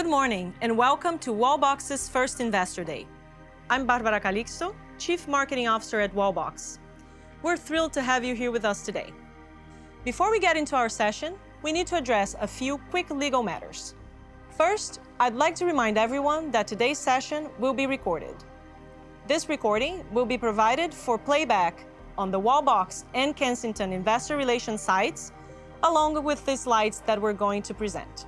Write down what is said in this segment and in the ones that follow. Good morning, welcome to Wallbox's first Investor Day. I'm Barbara Calixto, Chief Marketing Officer at Wallbox. We're thrilled to have you here with us today. Before we get into our session, we need to address a few quick legal matters. First, I'd like to remind everyone that today's session will be recorded. This recording will be provided for playback on the Wallbox and Kensington investor relations sites, along with the slides that we're going to present.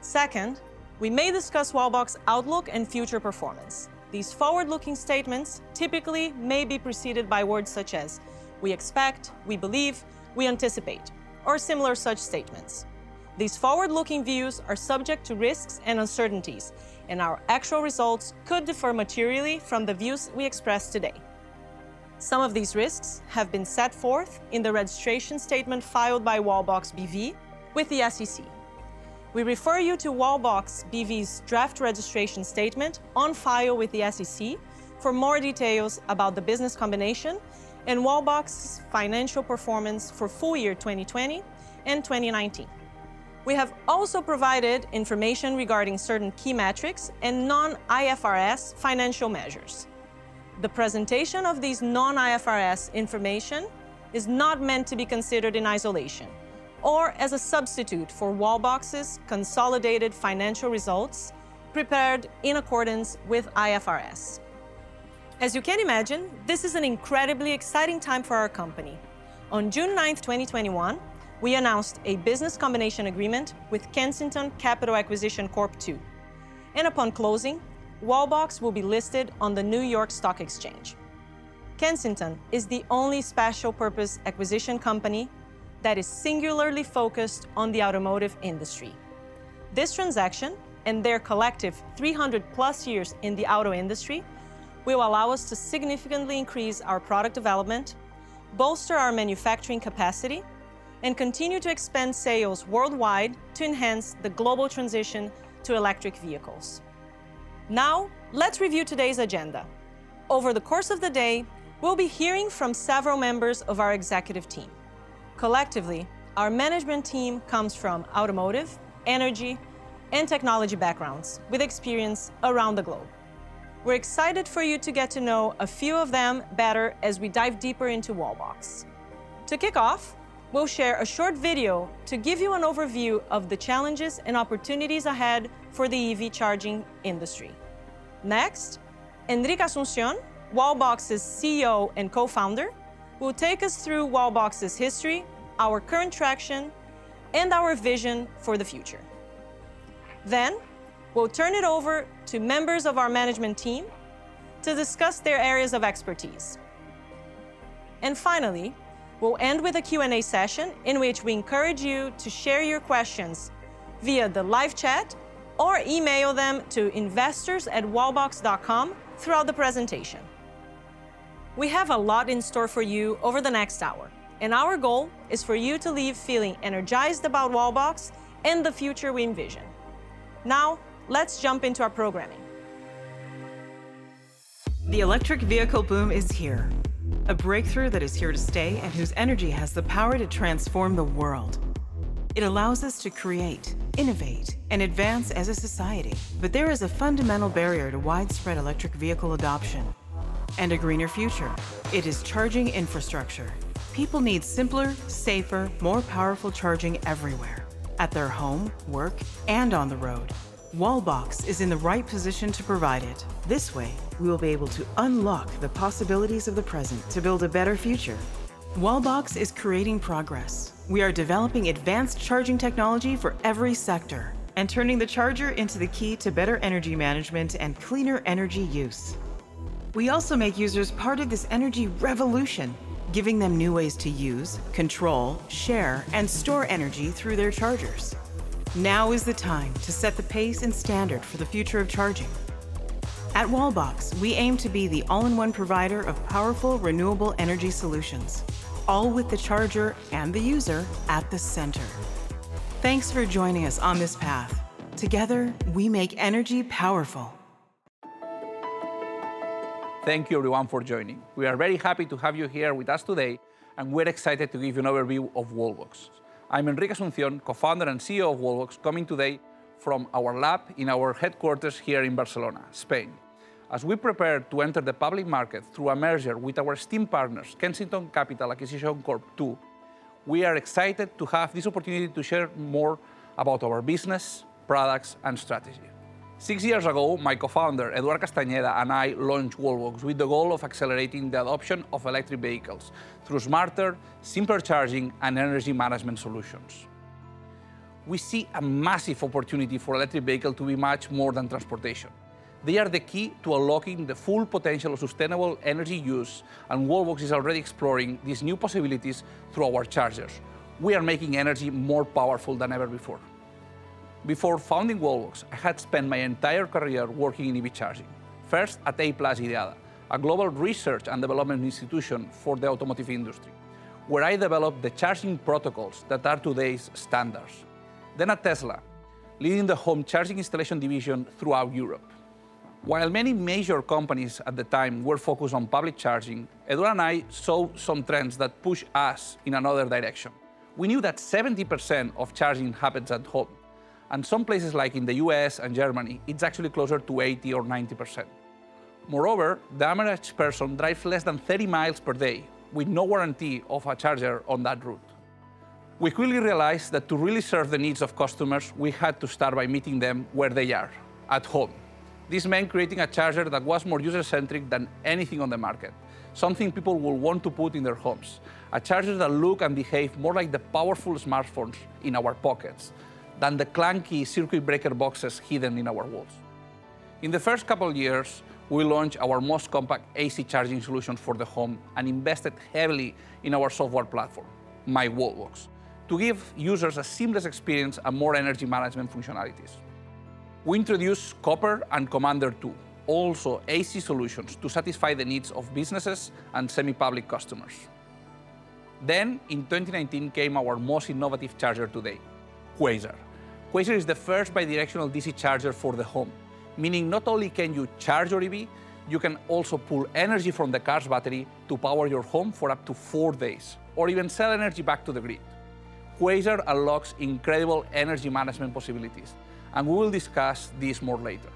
Second, we may discuss Wallbox outlook and future performance. These forward-looking statements typically may be preceded by words such as "we expect, we believe, we anticipate," or similar such statements. These forward-looking views are subject to risks and uncertainties. Our actual results could differ materially from the views we express today. Some of these risks have been set forth in the registration statement filed by Wallbox B.V. with the SEC. We refer you to Wallbox B.V.'s draft registration statement on file with the SEC for more details about the business combination and Wallbox financial performance for full year 2020 and 2019. We have also provided information regarding certain key metrics and non-IFRS financial measures. The presentation of these non-IFRS information is not meant to be considered in isolation or as a substitute for Wallbox's consolidated financial results prepared in accordance with IFRS. As you can imagine, this is an incredibly exciting time for our company. On June 9, 2021, we announced a business combination agreement with Kensington Capital Acquisition Corp. II, and upon closing, Wallbox will be listed on the New York Stock Exchange. Kensington is the only special purpose acquisition company that is singularly focused on the automotive industry. This transaction and their collective 300+ years in the auto industry will allow us to significantly increase our product development, bolster our manufacturing capacity, and continue to expand sales worldwide to enhance the global transition to electric vehicles. Let's review today's agenda. Over the course of the day, we'll be hearing from several members of our executive team. Collectively, our management team comes from automotive, energy, and technology backgrounds with experience around the globe. We're excited for you to get to know a few of them better as we dive deeper into Wallbox. To kick off, we'll share a short video to give you an overview of the challenges and opportunities ahead for the EV charging industry. Enric Asunción, Wallbox's CEO and co-founder, will take us through Wallbox's history, our current traction, and our vision for the future. We'll turn it over to members of our management team to discuss their areas of expertise. Finally, we'll end with a Q&A session in which we encourage you to share your questions via the live chat or email them to investors@wallbox.com throughout the presentation. We have a lot in store for you over the next hour, and our goal is for you to leave feeling energized about Wallbox and the future we envision. Let's jump into our programming. The electric vehicle boom is here, a breakthrough that is here to stay and whose energy has the power to transform the world. It allows us to create, innovate, and advance as a society. There is a fundamental barrier to widespread electric vehicle adoption and a greener future. It is charging infrastructure. People need simpler, safer, more powerful charging everywhere, at their home, work, and on the road. Wallbox is in the right position to provide it. This way, we will be able to unlock the possibilities of the present to build a better future. Wallbox is creating progress. We are developing advanced charging technology for every sector and turning the charger into the key to better energy management and cleaner energy use. We also make users part of this energy revolution, giving them new ways to use, control, share, and store energy through their chargers. Now is the time to set the pace and standard for the future of charging. At Wallbox, we aim to be the all-in-one provider of powerful, renewable energy solutions, all with the charger and the user at the center. Thanks for joining us on this path. Together, we make energy powerful. Thank you, everyone, for joining. We are very happy to have you here with us today, and we're excited to give you an overview of Wallbox. I'm Enric Asunción, Co-Founder and CEO of Wallbox, coming today from our lab in our headquarters here in Barcelona, Spain. As we prepare to enter the public market through a merger with our esteemed partners, Kensington Capital Acquisition Corp. II, we are excited to have this opportunity to share more about our business, products, and strategy. Six years ago, my co-founder, Eduard Castañeda, and I launched Wallbox with the goal of accelerating the adoption of electric vehicles through smarter, simpler charging, and energy management solutions. We see a massive opportunity for electric vehicles to be much more than transportation. They are the key to unlocking the full potential of sustainable energy use, and Wallbox is already exploring these new possibilities through our chargers. We are making energy more powerful than ever before. Before founding Wallbox, I had spent my entire career working in EV charging, first at Applus+ IDIADA, a global research and development institution for the automotive industry. Where I developed the charging protocols that are today's standards. Then at Tesla, leading the home charging installation division throughout Europe. While many major companies at the time were focused on public charging, Eduard and I saw some trends that pushed us in another direction. We knew that 70% of charging happens at home. In some places, like in the U.S. and Germany, it's actually closer to 80% or 90%. Moreover, the average person drives less than 30 miles per day, with no warranty of a charger on that route. We quickly realized that to really serve the needs of customers, we had to start by meeting them where they are, at home. This meant creating a charger that was more user-centric than anything on the market, something people would want to put in their homes. Chargers that look and behave more like the powerful smartphones in our pockets than the clunky circuit breaker boxes hidden in our walls. In the first couple of years, we launched our most compact AC charging solution for the home and invested heavily in our software platform, myWallbox, to give users a seamless experience and more energy management functionalities. We introduced Copper and Commander 2, also AC solutions, to satisfy the needs of businesses and semi-public customers. In 2019, came our most innovative charger to date, Quasar. Quasar is the first bidirectional DC charger for the home, meaning not only can you charge your EV, you can also pull energy from the car's battery to power your home for up to four days, or even sell energy back to the grid. Quasar unlocks incredible energy management possibilities. We will discuss this more later.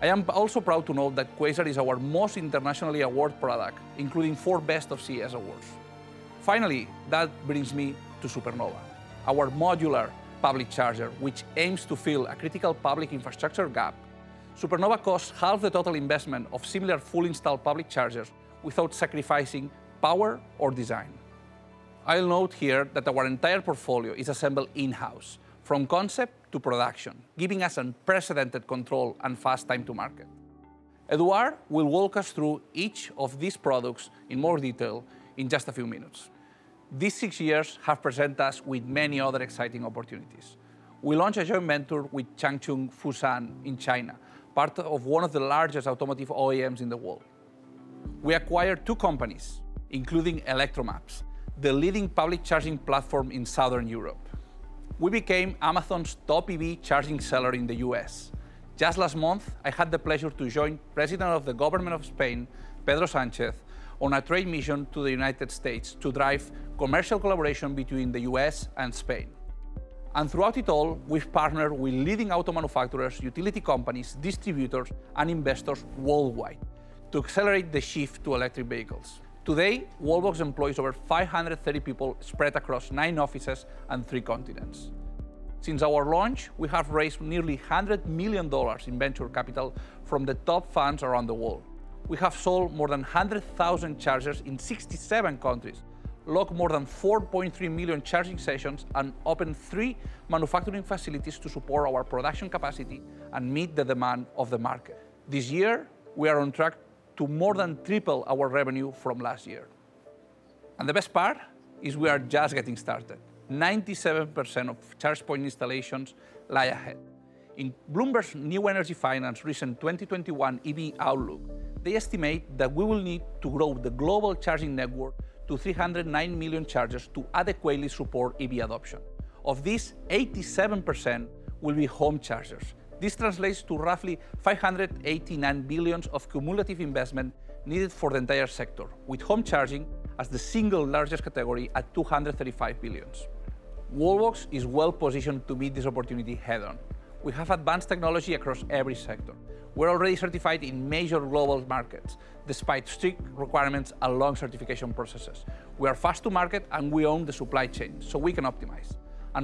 I am also proud to note that Quasar is our most internationally awarded product, including four Best of CES awards. Finally, that brings me to Supernova, our modular public charger, which aims to fill a critical public infrastructure gap. Supernova costs half the total investment of similar fully installed public chargers without sacrificing power or design. I'll note here that our entire portfolio is assembled in-house, from concept to production, giving us unprecedented control and fast time to market. Eduard will walk us through each of these products in more detail in just a few minutes. These six years have presented us with many other exciting opportunities. We launched a joint venture with Changchun FAWSN in China, part of one of the largest automotive OEMs in the world. We acquired two companies, including Electromaps, the leading public charging platform in Southern Europe. We became Amazon's top EV charging seller in the U.S. Just last month, I had the pleasure to join President of the Government of Spain, Pedro Sánchez, on a trade mission to the United States to drive commercial collaboration between the U.S. and Spain. Throughout it all, we've partnered with leading auto manufacturers, utility companies, distributors, and investors worldwide to accelerate the shift to electric vehicles. Today, Wallbox employs over 530 people spread across nine offices and three continents. Since our launch, we have raised nearly $100 million in venture capital from the top funds around the world. We have sold more than 100,000 chargers in 67 countries, logged more than 4.3 million charging sessions, and opened three manufacturing facilities to support our production capacity and meet the demand of the market. This year, we are on track to more than triple our revenue from last year. The best part is we are just getting started. 97% of charge point installations lie ahead. In BloombergNEF recent 2021 EV outlook, they estimate that we will need to grow the global charging network to 309 million chargers to adequately support EV adoption. Of this, 87% will be home chargers. This translates to roughly $589 billion of cumulative investment needed for the entire sector, with home charging as the single largest category at $235 billion. Wallbox is well-positioned to meet this opportunity head-on. We have advanced technology across every sector. We're already certified in major global markets, despite strict requirements and long certification processes. We are fast to market, and we own the supply chain, so we can optimize.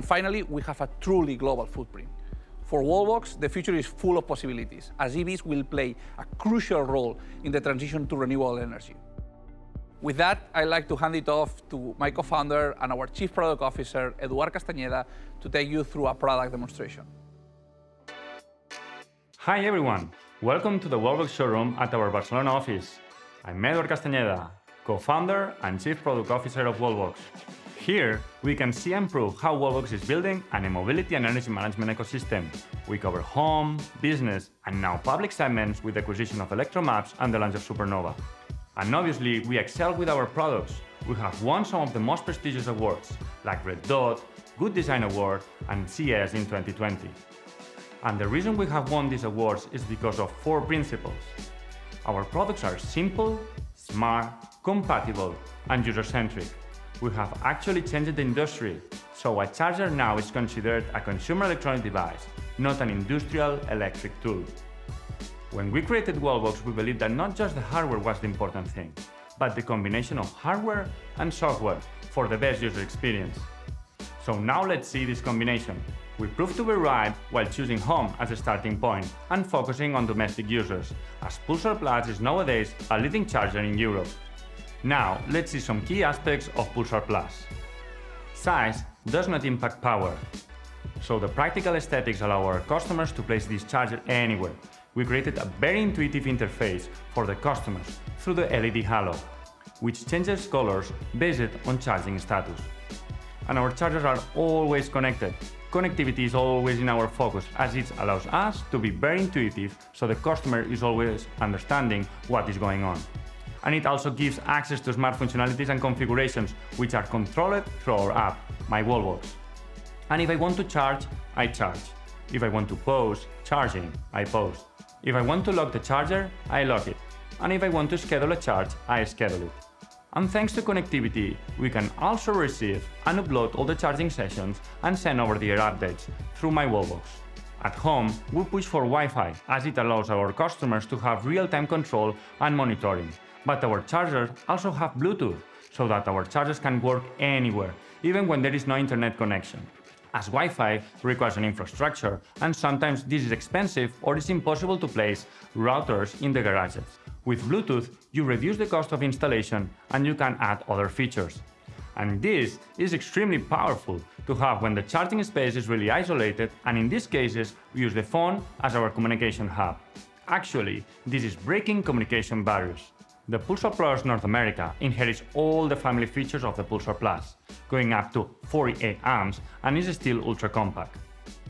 Finally, we have a truly global footprint. For Wallbox, the future is full of possibilities, as EVs will play a crucial role in the transition to renewable energy. With that, I'd like to hand it off to my co-founder and our Chief Product Officer, Eduard Castañeda, to take you through a product demonstration. Hi, everyone. Welcome to the Wallbox showroom at our Barcelona office. I'm Eduard Castañeda, Co-founder and Chief Product Officer of Wallbox. Here, we can see and prove how Wallbox is building an mobility and energy management ecosystem. We cover home, business, and now public segments with acquisition of Electromaps and the launch of Supernova. Obviously, we excel with our products. We have won some of the most prestigious awards, like Red Dot, Good Design Award, and CES in 2020. The reason we have won these awards is because of four principles. Our products are simple, smart, compatible, and user-centric. We have actually changed the industry, so a charger now is considered a consumer electronic device, not an industrial electric tool. When we created Wallbox, we believed that not just the hardware was the important thing, but the combination of hardware and software for the best user experience. Now let's see this combination. We proved to be right while choosing home as a starting point and focusing on domestic users, as Pulsar Plus is nowadays a leading charger in Europe. Let's see some key aspects of Pulsar Plus. Size does not impact power, the practical aesthetics allow our customers to place this charger anywhere. We created a very intuitive interface for the customers through the LED halo, which changes colors based on charging status. Our chargers are always connected. Connectivity is always in our focus as it allows us to be very intuitive the customer is always understanding what is going on. It also gives access to smart functionalities and configurations, which are controlled through our app, myWallbox. If I want to charge, I charge. If I want to pause charging, I pause. If I want to lock the charger, I lock it. If I want to schedule a charge, I schedule it. Thanks to connectivity, we can also receive and upload all the charging sessions and send over-the-air updates through myWallbox. At home, we push for Wi-Fi as it allows our customers to have real-time control and monitoring. Our chargers also have Bluetooth so that our chargers can work anywhere, even when there is no internet connection, as Wi-Fi requires an infrastructure and sometimes this is expensive or it's impossible to place routers in the garages. With Bluetooth, you reduce the cost of installation and you can add other features. This is extremely powerful to have when the charging space is really isolated, and in these cases, we use the phone as our communication hub. Actually, this is breaking communication barriers. The Pulsar Plus North America inherits all the family features of the Pulsar Plus, going up to 48 Amps and is still ultra-compact.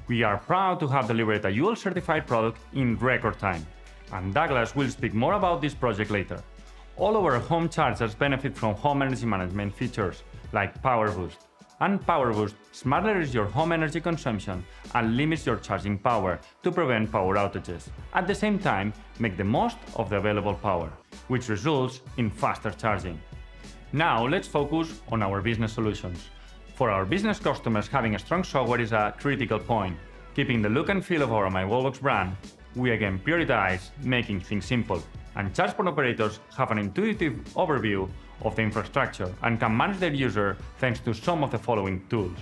We are proud to have delivered a UL-certified product in record time. Douglas will speak more about this project later. All our home chargers benefit from home energy management features like Power Boost. Power Boost smartly uses your home energy consumption and limits your charging power to prevent power outages. At the same time, make the most of the available power, which results in faster charging. Now, let's focus on our business solutions. For our business customers, having a strong software is a critical point. Keeping the look and feel of our myWallbox brand, we again prioritize making things simple. Charge point operators have an intuitive overview of the infrastructure and can manage their user, thanks to some of the following tools.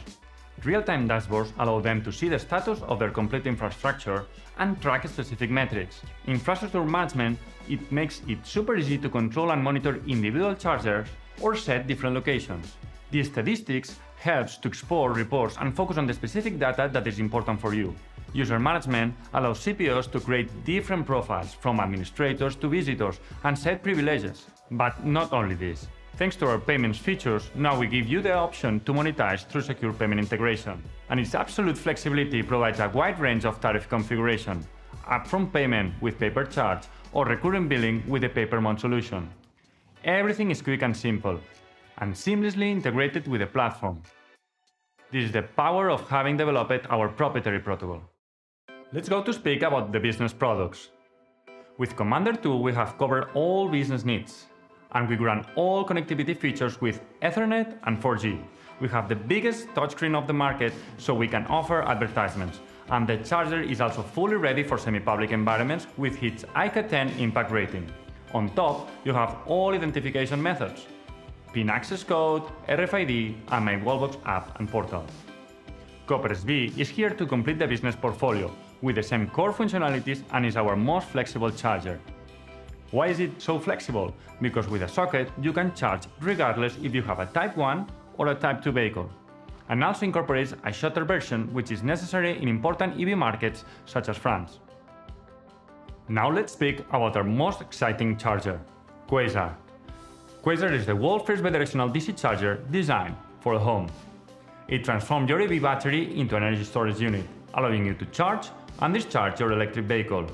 Real-time dashboards allow them to see the status of their complete infrastructure and track specific metrics. Infrastructure management, it makes it super easy to control and monitor individual chargers or set different locations. The statistics help to explore reports and focus on the specific data that is important for you. User management allows CPOs to create different profiles from administrators to visitors and set privileges. Not only this. Thanks to our payments features, now we give you the option to monetize through secure payment integration. Its absolute flexibility provides a wide range of tariff configuration, upfront payment with pay-per-charge, or recurring billing with a pay-per-month solution. Everything is quick and simple and seamlessly integrated with the platform. This is the power of having developed our proprietary protocol. Let's go to speak about the business products. With Commander 2, we have covered all business needs, and we grant all connectivity features with Ethernet and 4G. We have the biggest touchscreen of the market, so we can offer advertisements. The charger is also fully ready for semi-public environments with its IK10 impact rating. On top, you have all identification methods: pin access code, RFID, and myWallbox app and portal. Copper SB is here to complete the business portfolio with the same core functionalities and is our most flexible charger. Why is it so flexible? Because with a socket, you can charge regardless if you have a type 1 or a type 2 vehicle. Also incorporates a shutter version, which is necessary in important EV markets such as France. Now, let's speak about our most exciting charger, Quasar. Quasar is the world's first bidirectional DC charger designed for home. It transforms your EV battery into an energy storage unit, allowing you to charge and discharge your electric vehicle.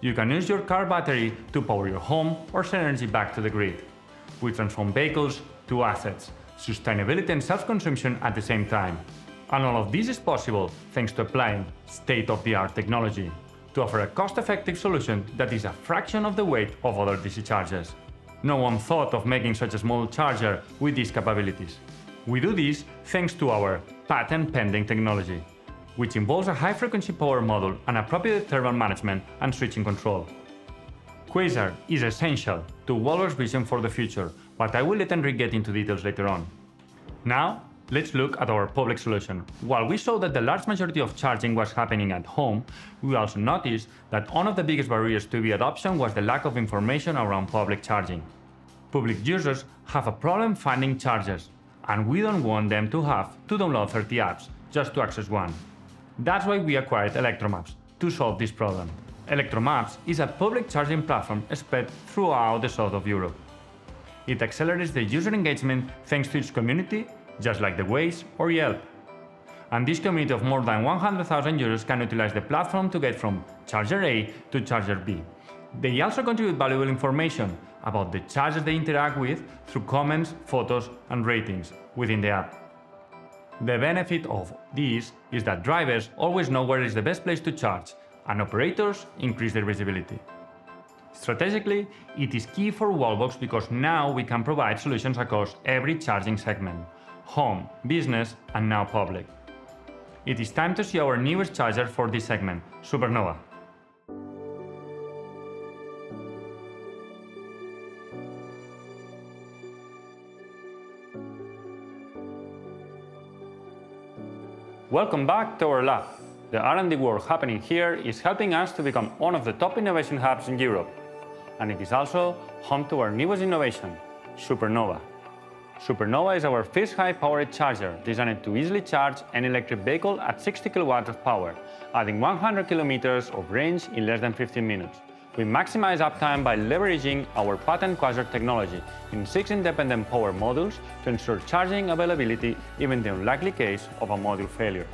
You can use your car battery to power your home or send energy back to the grid, which transforms vehicles to assets, sustainability, and self-consumption at the same time. All of this is possible thanks to applying state-of-the-art technology to offer a cost-effective solution that is a fraction of the weight of other DC chargers. No one thought of making such a small charger with these capabilities. We do this thanks to our patent-pending technology, which involves a high-frequency power module and appropriate thermal management and switching control. Quasar is essential to Wallbox's vision for the future, but I will let Enric get into details later on. Now, let's look at our public solution. While we saw that the large majority of charging was happening at home, we also noticed that one of the biggest barriers to the adoption was the lack of information around public charging. Public users have a problem finding chargers. We don't want them to have to download 30 apps just to access one. That's why we acquired Electromaps, to solve this problem. Electromaps is a public charging platform spread throughout the south of Europe. It accelerates the user engagement thanks to its community, just like the Waze or Yelp. This community of more than 100,000 users can utilize the platform to get from charger A to charger B. They also contribute valuable information about the chargers they interact with through comments, photos, and ratings within the app. The benefit of this is that drivers always know where is the best place to charge and operators increase their visibility. Strategically, it is key for Wallbox because now we can provide solutions across every charging segment: home, business, and now public. It is time to see our newest charger for this segment, Supernova. Welcome back to our lab. The R&D work happening here is helping us to become one of the top innovation hubs in Europe, and it is also home to our newest innovation, Supernova. Supernova is our first high-powered charger, designed to easily charge an electric vehicle at 60 kW of power, adding 100 km of range in less than 15 minutes. We maximize uptime by leveraging our patent Quasar technology in six independent power modules to ensure charging availability, even in the unlikely case of a module failure.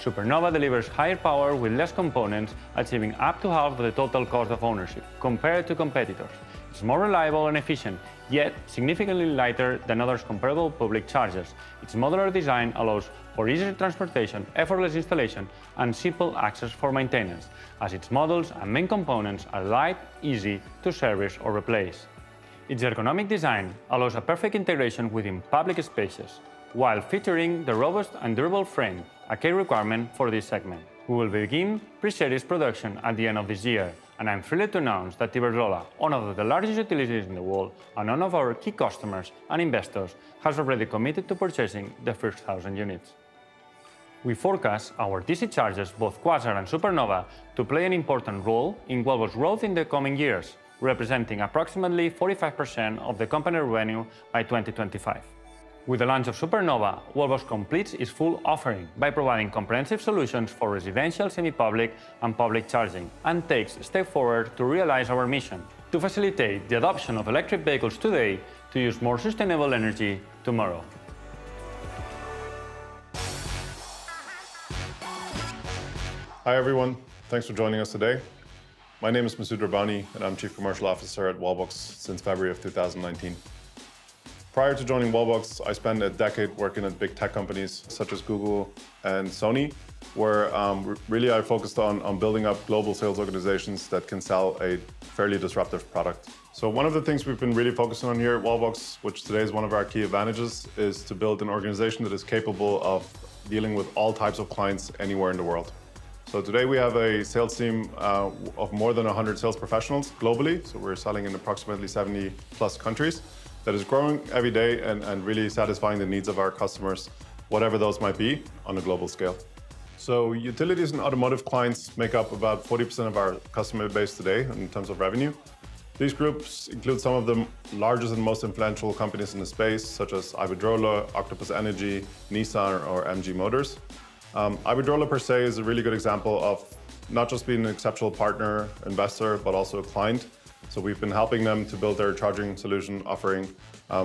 Supernova delivers higher power with less components, achieving up to half the total cost of ownership compared to competitors. It's more reliable and efficient, yet significantly lighter than other comparable public chargers. Its modular design allows for easy transportation, effortless installation, and simple access for maintenance, as its modules and main components are light, easy to service or replace. Its ergonomic design allows a perfect integration within public spaces, while featuring the robust and durable frame, a key requirement for this segment. We will begin pre-series production at the end of this year, and I'm thrilled to announce that Iberdrola, one of the largest utilities in the world and one of our key customers and investors, has already committed to purchasing the first 1,000 units. We forecast our DC chargers, both Quasar and Supernova, to play an important role in Wallbox's growth in the coming years, representing approximately 45% of the company revenue by 2025. With the launch of Supernova, Wallbox completes its full offering by providing comprehensive solutions for residential, semi-public, and public charging, and takes a step forward to realize our mission to facilitate the adoption of electric vehicles today, to use more sustainable energy tomorrow. Hi, everyone. Thanks for joining us today. My name is Masud Rabbani, and I'm Chief Commercial Officer at Wallbox since February of 2019. Prior to joining Wallbox, I spent a decade working at big tech companies such as Google and Sony, where, really, I focused on building up global sales organizations that can sell a fairly disruptive product. One of the things we've been really focusing on here at Wallbox, which today is one of our key advantages, is to build an organization that is capable of dealing with all types of clients anywhere in the world. Today, we have a sales team of more than 100 sales professionals globally, so we're selling in approximately 70 plus countries. That is growing every day and really satisfying the needs of our customers, whatever those might be, on a global scale. Utilities and automotive clients make up about 40% of our customer base today in terms of revenue. These groups include some of the largest and most influential companies in the space, such as Iberdrola, Octopus Energy, Nissan, or MG Motor. Iberdrola per se is a really good example of not just being an exceptional partner, investor, but also a client. We've been helping them to build their charging solution offering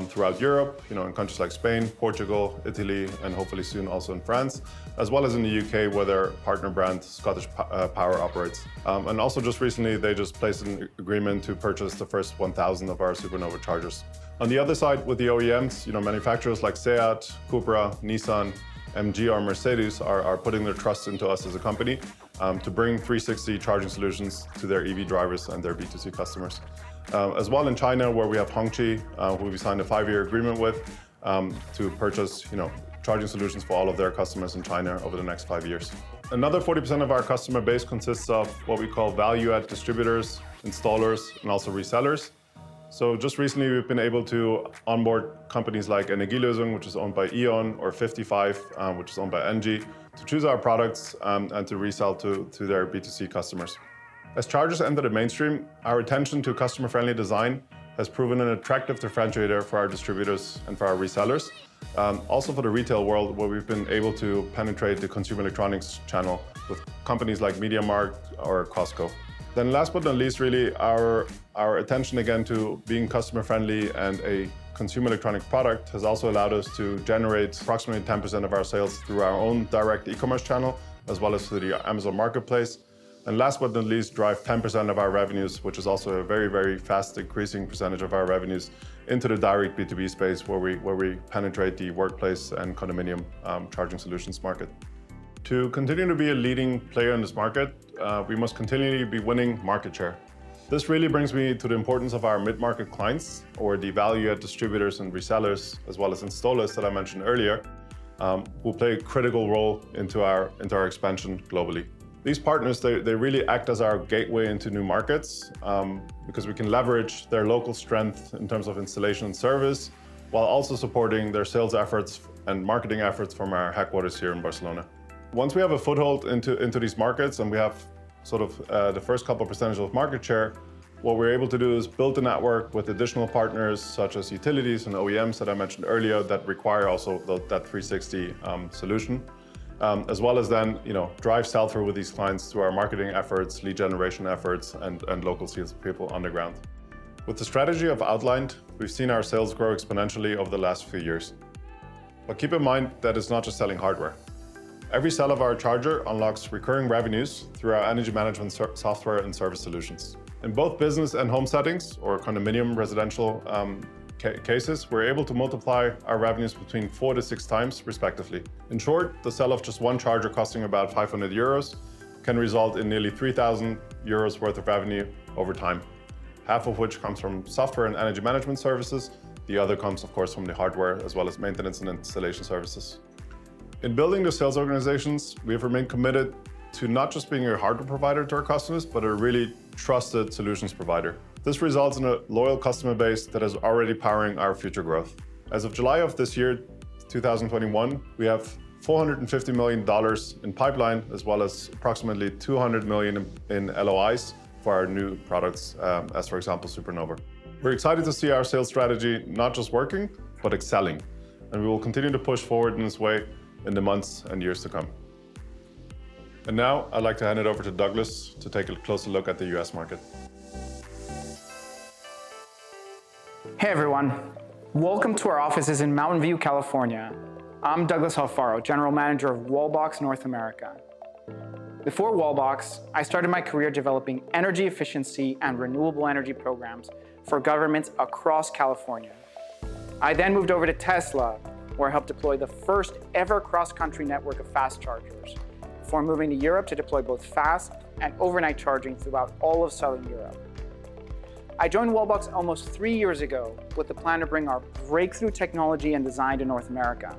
throughout Europe, in countries like Spain, Portugal, Italy, and hopefully soon also in France, as well as in the U.K., where their partner brand ScottishPower operates. Also just recently, they just placed an agreement to purchase the first 1,000 of our Supernova chargers. On the other side, with the OEMs, manufacturers like SEAT, CUPRA, Nissan, MG, or Mercedes are putting their trust into us as a company, to bring 360 charging solutions to their EV drivers and their B2C customers. As well in China, where we have Hongqi, who we signed a five year agreement with, to purchase charging solutions for all of their customers in China over the next five years. Another 40% of our customer base consists of what we call value-add distributors, installers, and also resellers. Just recently, we've been able to onboard companies like [Energielösungen], which is owned by E.ON, or 50five, which is owned by [MG], to choose our products, and to resell to their B2C customers. As chargers enter the mainstream, our attention to customer-friendly design has proven an attractive differentiator for our distributors and for our resellers. Also for the retail world, where we've been able to penetrate the consumer electronics channel with companies like MediaMarkt or Costco. Last but not least, really, our attention again to being customer-friendly and a consumer electronic product has also allowed us to generate approximately 10% of our sales through our own direct e-commerce channel, as well as through the Amazon Marketplace. Last but not least, drive 10% of our revenues, which is also a very, very fast increasing percentage of our revenues, into the direct B2B space, where we penetrate the workplace and condominium charging solutions market. To continue to be a leading player in this market, we must continually be winning market share. This really brings me to the importance of our mid-market clients or the value-add distributors and resellers, as well as installers that I mentioned earlier, who play a critical role into our expansion globally. These partners, they really act as our gateway into new markets, because we can leverage their local strength in terms of installation service, while also supporting their sales efforts and marketing efforts from our headquarters here in Barcelona. Once we have a foothold into these markets, and we have sort of the first couple percentage of market share, what we're able to do is build a network with additional partners such as utilities and OEMs that I mentioned earlier that require also that 360 solution, as well as then drive sell-through with these clients through our marketing efforts, lead generation efforts, and local sales people on the ground. With the strategy I've outlined, we've seen our sales grow exponentially over the last few years. Keep in mind that it's not just selling hardware. Every sale of our charger unlocks recurring revenues through our energy management software and service solutions. In both business and home settings or condominium residential cases, we're able to multiply our revenues between 4 to 6x, respectively. In short, the sale of just one charger costing about 500 euros can result in nearly 3,000 euros worth of revenue over time, half of which comes from software and energy management services. The other comes, of course, from the hardware as well as maintenance and installation services. In building the sales organizations, we have remained committed to not just being a hardware provider to our customers, but a really trusted solutions provider. This results in a loyal customer base that is already powering our future growth. As of July of this year, 2021, we have $450 million in pipeline, as well as approximately 200 million in LOIs for our new products, as for example, Supernova. We're excited to see our sales strategy not just working, but excelling, and we will continue to push forward in this way in the months and years to come. Now I'd like to hand it over to Douglas to take a closer look at the U.S. market. Hey, everyone. Welcome to our offices in Mountain View, California. I'm Douglas Alfaro, general manager of Wallbox North America. Before Wallbox, I started my career developing energy efficiency and renewable energy programs for governments across California. I then moved over to Tesla, where I helped deploy the first-ever cross-country network of fast chargers, before moving to Europe to deploy both fast and overnight charging throughout all of Southern Europe. I joined Wallbox almost three years ago with the plan to bring our breakthrough technology and design to North America.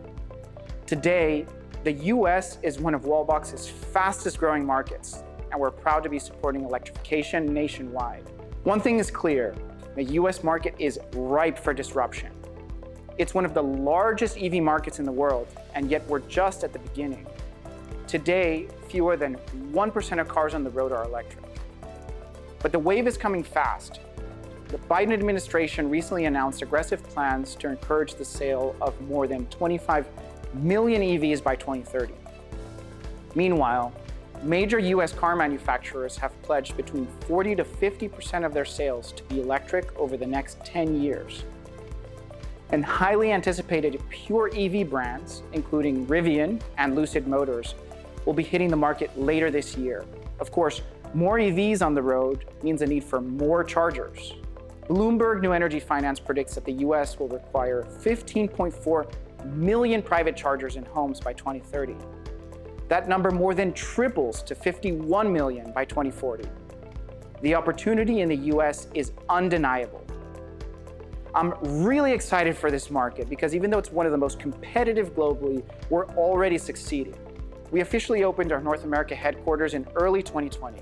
Today, the U.S. is one of Wallbox's fastest-growing markets, and we're proud to be supporting electrification nationwide. One thing is clear: the U.S. market is ripe for disruption. It's one of the largest EV markets in the world, and yet we're just at the beginning. Today, fewer than 1% of cars on the road are electric. The wave is coming fast. The Biden administration recently announced aggressive plans to encourage the sale of more than 25 million EVs by 2030. Meanwhile, major U.S. car manufacturers have pledged between 40%-50% of their sales to be electric over the next 10 years. Highly anticipated pure EV brands, including Rivian and Lucid Motors, will be hitting the market later this year. Of course, more EVs on the road means a need for more chargers. Bloomberg New Energy Finance predicts that the U.S. will require 15.4 million private chargers in homes by 2030. That number more than triples to 51 million by 2040. The opportunity in the U.S. is undeniable. I'm really excited for this market because even though it's one of the most competitive globally, we're already succeeding. We officially opened our North America headquarters in early 2020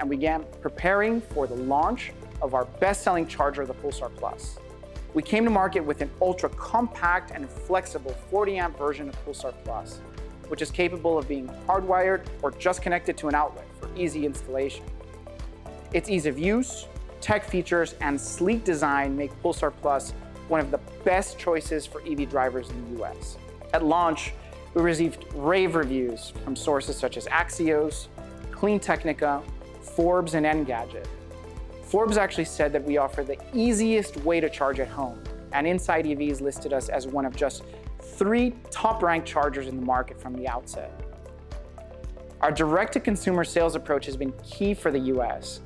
and began preparing for the launch of our best-selling charger, the Pulsar Plus. We came to market with an ultra-compact and flexible 40-Amp version of Pulsar Plus, which is capable of being hardwired or just connected to an outlet for easy installation. Its ease of use, tech features, and sleek design make Pulsar Plus one of the best choices for EV drivers in the U.S. At launch, we received rave reviews from sources such as Axios, CleanTechnica, Forbes, and Engadget. Forbes actually said that we offer the easiest way to charge at home. InsideEVs listed us as one of just three top-ranked chargers in the market from the outset. Our direct-to-consumer sales approach has been key for the U.S.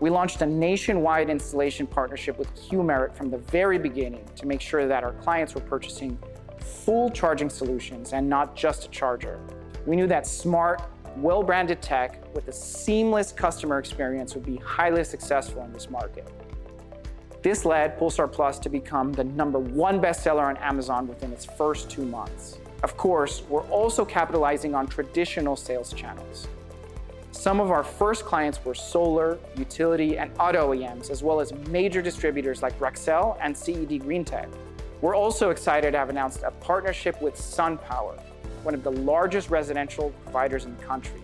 We launched a nationwide installation partnership with Qmerit from the very beginning to make sure that our clients were purchasing full charging solutions and not just a charger. We knew that smart, well-branded tech with a seamless customer experience would be highly successful in this market. This led Pulsar Plus to become the number one bestseller on Amazon within its first two months. Of course, we're also capitalizing on traditional sales channels. Some of our first clients were solar, utility, and auto OEMs, as well as major distributors like Rexel and CED Greentech. We're also excited to have announced a partnership with SunPower, one of the largest residential providers in the country.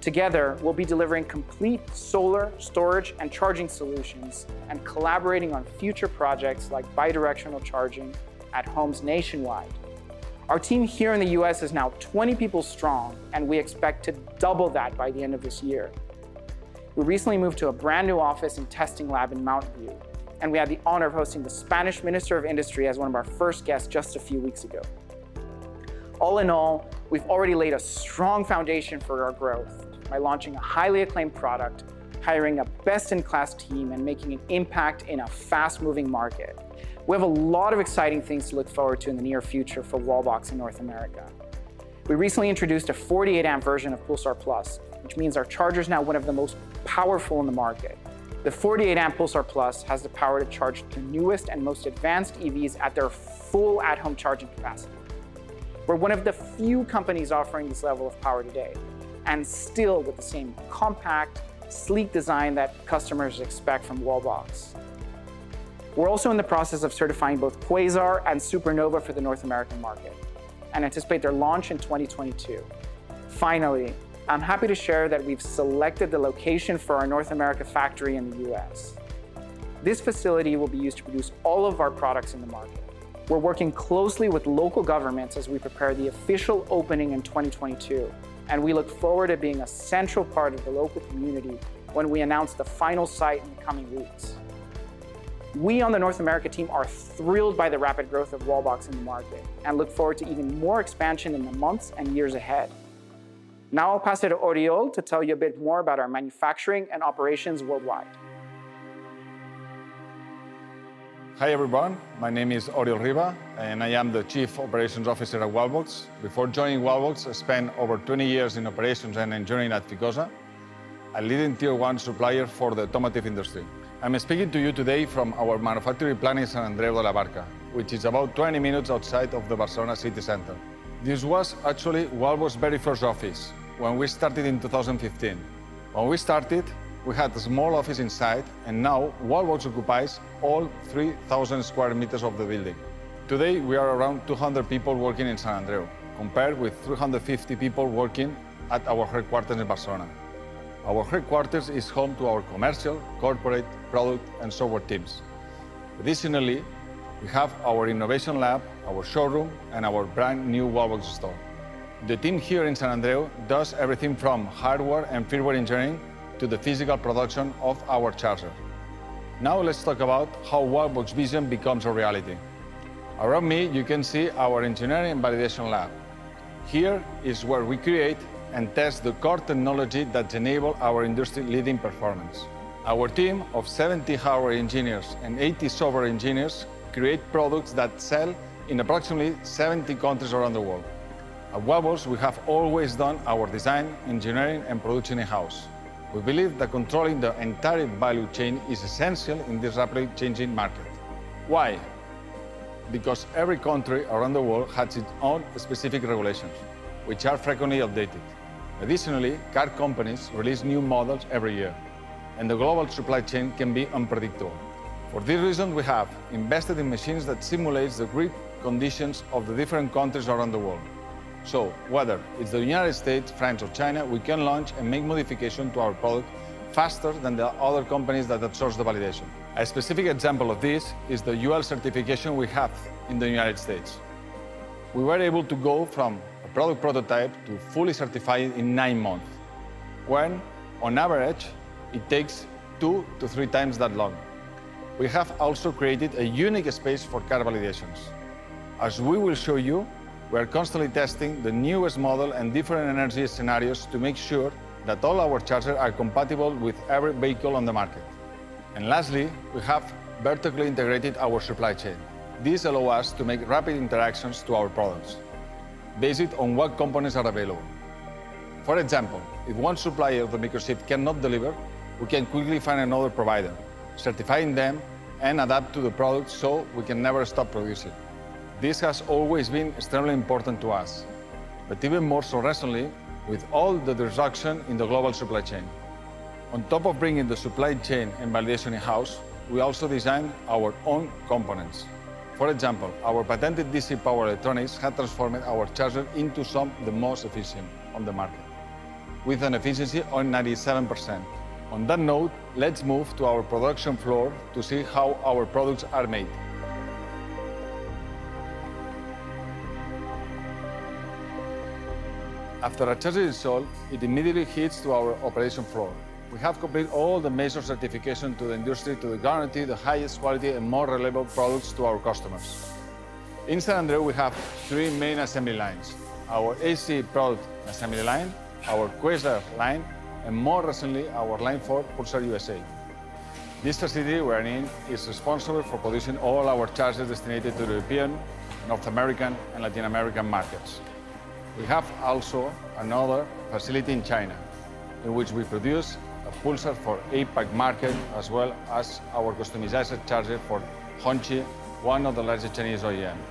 Together, we'll be delivering complete solar, storage, and charging solutions and collaborating on future projects like bi-directional charging at homes nationwide. Our team here in the U.S. is now 20 people strong, and we expect to double that by the end of this year. We recently moved to a brand-new office and testing lab in Mountain View, and we had the honor of hosting the Spanish Minister of Industry as one of our first guests just a few weeks ago. All in all, we've already laid a strong foundation for our growth by launching a highly acclaimed product, hiring a best-in-class team, and making an impact in a fast-moving market. We have a lot of exciting things to look forward to in the near future for Wallbox in North America. We recently introduced a 48-Amp version of Pulsar Plus, which means our charger's now one of the most powerful in the market. The 48-Amp Pulsar Plus has the power to charge the newest and most advanced EVs at their full at-home charging capacity. We're one of the few companies offering this level of power today, and still with the same compact, sleek design that customers expect from Wallbox. We're also in the process of certifying both Quasar and Supernova for the North American market and anticipate their launch in 2022. Finally, I'm happy to share that we've selected the location for our North America factory in the U.S. This facility will be used to produce all of our products in the market. We're working closely with local governments as we prepare the official opening in 2022, and we look forward to being a central part of the local community when we announce the final site in the coming weeks. We on the North America team are thrilled by the rapid growth of Wallbox in the market and look forward to even more expansion in the months and years ahead. Now I'll pass it to Oriol to tell you a bit more about our manufacturing and operations worldwide. Hi, everyone. My name is Oriol Riba, and I am the Chief Operations Officer at Wallbox. Before joining Wallbox, I spent over 20 years in operations and engineering at Ficosa, a leading tier 1 supplier for the automotive industry. I am speaking to you today from our manufacturing plant in Sant Andreu de la Barca, which is about 20 minutes outside of the Barcelona city center. This was actually Wallbox's very first office when we started in 2015. When we started, we had a small office inside, and now Wallbox occupies all 3,000 sq m of the building. Today, we are around 200 people working in Sant Andreu, compared with 350 people working at our headquarters in Barcelona. Our headquarters is home to our commercial, corporate, product, and software teams. We have our innovation lab, our showroom, and our brand-new Wallbox store. The team here in Sant Andreu does everything from hardware and firmware engineering to the physical production of our chargers. Let's talk about how Wallbox's vision becomes a reality. Around me, you can see our engineering and validation lab. Here is where we create and test the core technology that enables our industry-leading performance. Our team of 70 hardware engineers and 80 software engineers create products that sell in approximately 70 countries around the world. At Wallbox, we have always done our design, engineering, and production in-house. We believe that controlling the entire value chain is essential in this rapidly changing market. Why? Every country around the world has its own specific regulations, which are frequently updated. Car companies release new models every year, and the global supply chain can be unpredictable. For this reason, we have invested in machines that simulate the grid conditions of the different countries around the world. Whether it's the United States, France, or China, we can launch and make modifications to our product faster than the other companies that outsource the validation. A specific example of this is the UL certification we have in the United States. We were able to go from a product prototype to fully certified in nine months, when on average it takes 2 to 3x that long. We have also created a unique space for car validations. As we will show you, we're constantly testing the newest model and different energy scenarios to make sure that all our chargers are compatible with every vehicle on the market. Lastly, we have vertically integrated our supply chain. This allows us to make rapid interactions to our products based on what components are available. For example, if one supplier of the microchip cannot deliver, we can quickly find another provider, certify them, and adapt to the product so we can never stop producing. This has always been extremely important to us, but even more so recently with all the disruption in the global supply chain. On top of bringing the supply chain and validation in-house, we also design our own components. For example, our patented DC power electronics have transformed our chargers into some of the most efficient on the market, with an efficiency of 97%. On that note, let's move to our production floor to see how our products are made. After a charger is sold, it immediately heads to our operation floor. We have completed all the major certifications to the industry to guarantee the highest quality and most reliable products to our customers. In Sant Andreu, we have three main assembly lines: our AC product assembly line, our Quasar line, and more recently, our line for Pulsar UL. This facility we're in is responsible for producing all our chargers destined for the European, North American, and Latin American markets. We have also another facility in China in which we produce a Pulsar for APAC markets, as well as our customized chargers for Hongqi, one of the largest Chinese OEMs.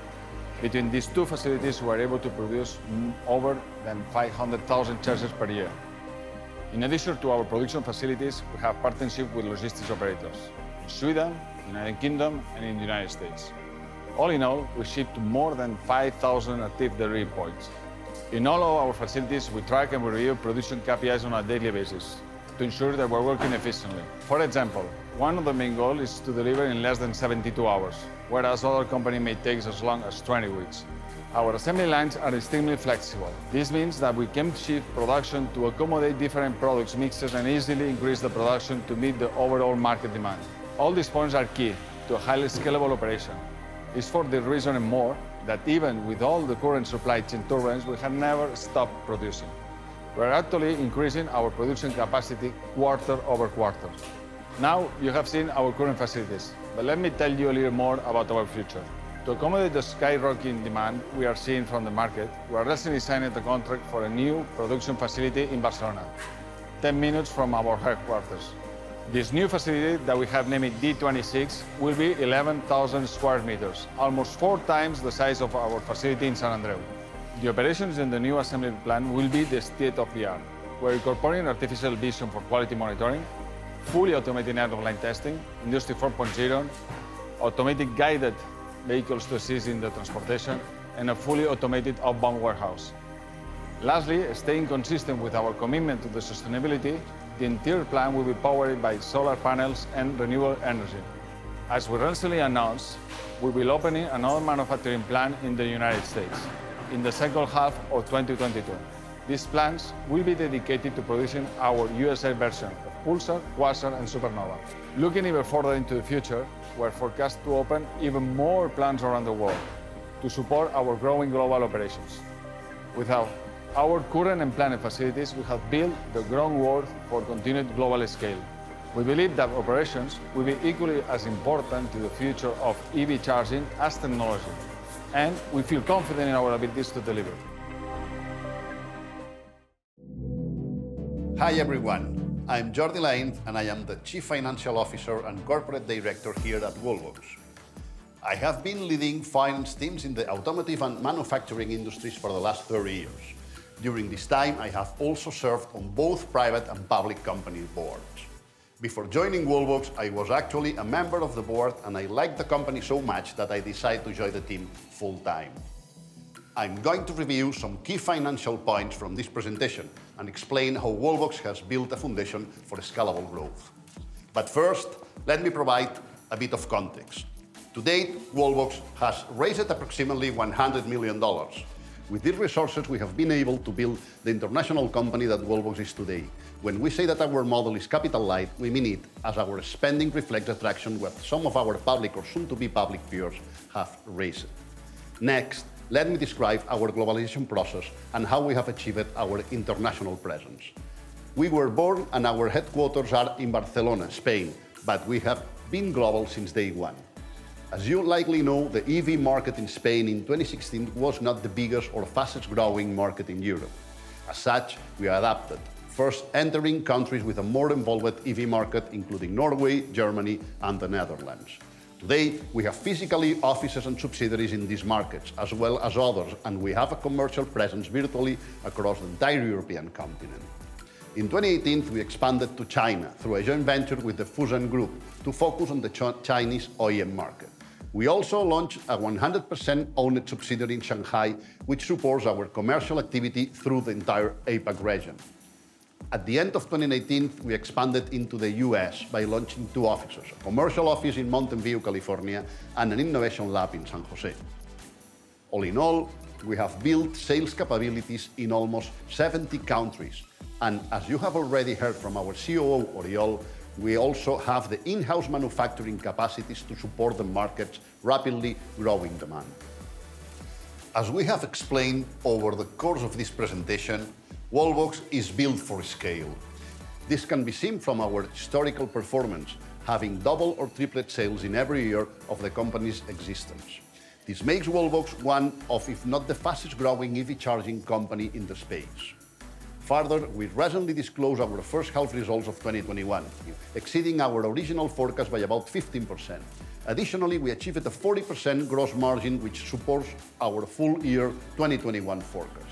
Between these two facilities, we're able to produce over 500,000 chargers per year. In addition to our production facilities, we have partnerships with logistics operators in Sweden, the U.K., and the U.S. All in all, we ship to more than 5,000 active delivery points. In all our facilities, we track and review production KPIs on a daily basis to ensure that we're working efficiently. For example, one of the main goals is to deliver in less than 72 hours, whereas other companies may take as long as 20 weeks. Our assembly lines are extremely flexible. This means that we can shift production to accommodate different product mixes and easily increase production to meet the overall market demand. All these points are key to a highly scalable operation. It's for this reason and more that even with all the current supply chain turbulence, we have never stopped producing. We're actually increasing our production capacity quarter-over-quarter. Now you have seen our current facilities, but let me tell you a little more about our future. To accommodate the skyrocketing demand we are seeing from the market, we recently signed the contract for a new production facility in Barcelona, 10 minutes from our headquarters. This new facility that we have named D26 will be 11,000 sq m, almost 4x the size of our facility in Sant Andreu. The operations in the new assembly plant will be state-of-the-art. We're incorporating artificial vision for quality monitoring, fully automated end-of-line testing, Industry 4.0, automated guided vehicles to assist in the transportation, and a fully automated outbound warehouse. Lastly, staying consistent with our commitment to sustainability, the entire plant will be powered by solar panels and renewable energy. As we recently announced, we will be opening another manufacturing plant in the U.S. in the second half of 2022. These plants will be dedicated to producing our USA version of Pulsar, Quasar, and Supernova. Looking even further into the future, we are forecast to open even more plants around the world to support our growing global operations. With our current and planned facilities, we have built the groundwork for continued global scale. We believe that operations will be equally as important to the future of EV charging as technology, and we feel confident in our abilities to deliver. Hi, everyone. I'm Jordi Lainz, and I am the Chief Financial Officer and Corporate Director here at Wallbox. I have been leading finance teams in the automotive and manufacturing industries for the last 30 years. During this time, I have also served on both private and public company boards. Before joining Wallbox, I was actually a member of the board, and I liked the company so much that I decided to join the team full time. I'm going to review some key financial points from this presentation and explain how Wallbox has built a foundation for scalable growth. First, let me provide a bit of context. To date, Wallbox has raised approximately $100 million. With these resources, we have been able to build the international company that Wallbox is today. When we say that our model is capital light, we mean it, as our spending reflects the traction with some of our public, or soon-to-be public, peers have raised. Next, let me describe our globalization process and how we have achieved our international presence. We were born and our headquarters are in Barcelona, Spain, but we have been global since day one. As you likely know, the EV market in Spain in 2016 was not the biggest or fastest growing market in Europe. As such, we adapted, first entering countries with a more involved EV market, including Norway, Germany, and the Netherlands. Today, we have physical offices and subsidiaries in these markets, as well as others, and we have a commercial presence virtually across the entire European continent. In 2018, we expanded to China through a joint venture with the FAWSN Group to focus on the Chinese OEM market. We also launched a 100% owned subsidiary in Shanghai, which supports our commercial activity through the entire APAC region. At the end of 2019, we expanded into the U.S. by launching two offices, a commercial office in Mountain View, California, and an innovation lab in San Jose. All in all, we have built sales capabilities in almost 70 countries, and as you have already heard from our COO, Oriol, we also have the in-house manufacturing capacities to support the market's rapidly growing demand. As we have explained over the course of this presentation, Wallbox is built for scale. This can be seen from our historical performance, having doubled or tripled sales in every year of the company's existence. This makes Wallbox one of, if not the fastest-growing EV charging company in the space. Further, we recently disclosed our first half results of 2021, exceeding our original forecast by about 15%. Additionally, we achieved a 40% gross margin, which supports our full year 2021 forecast.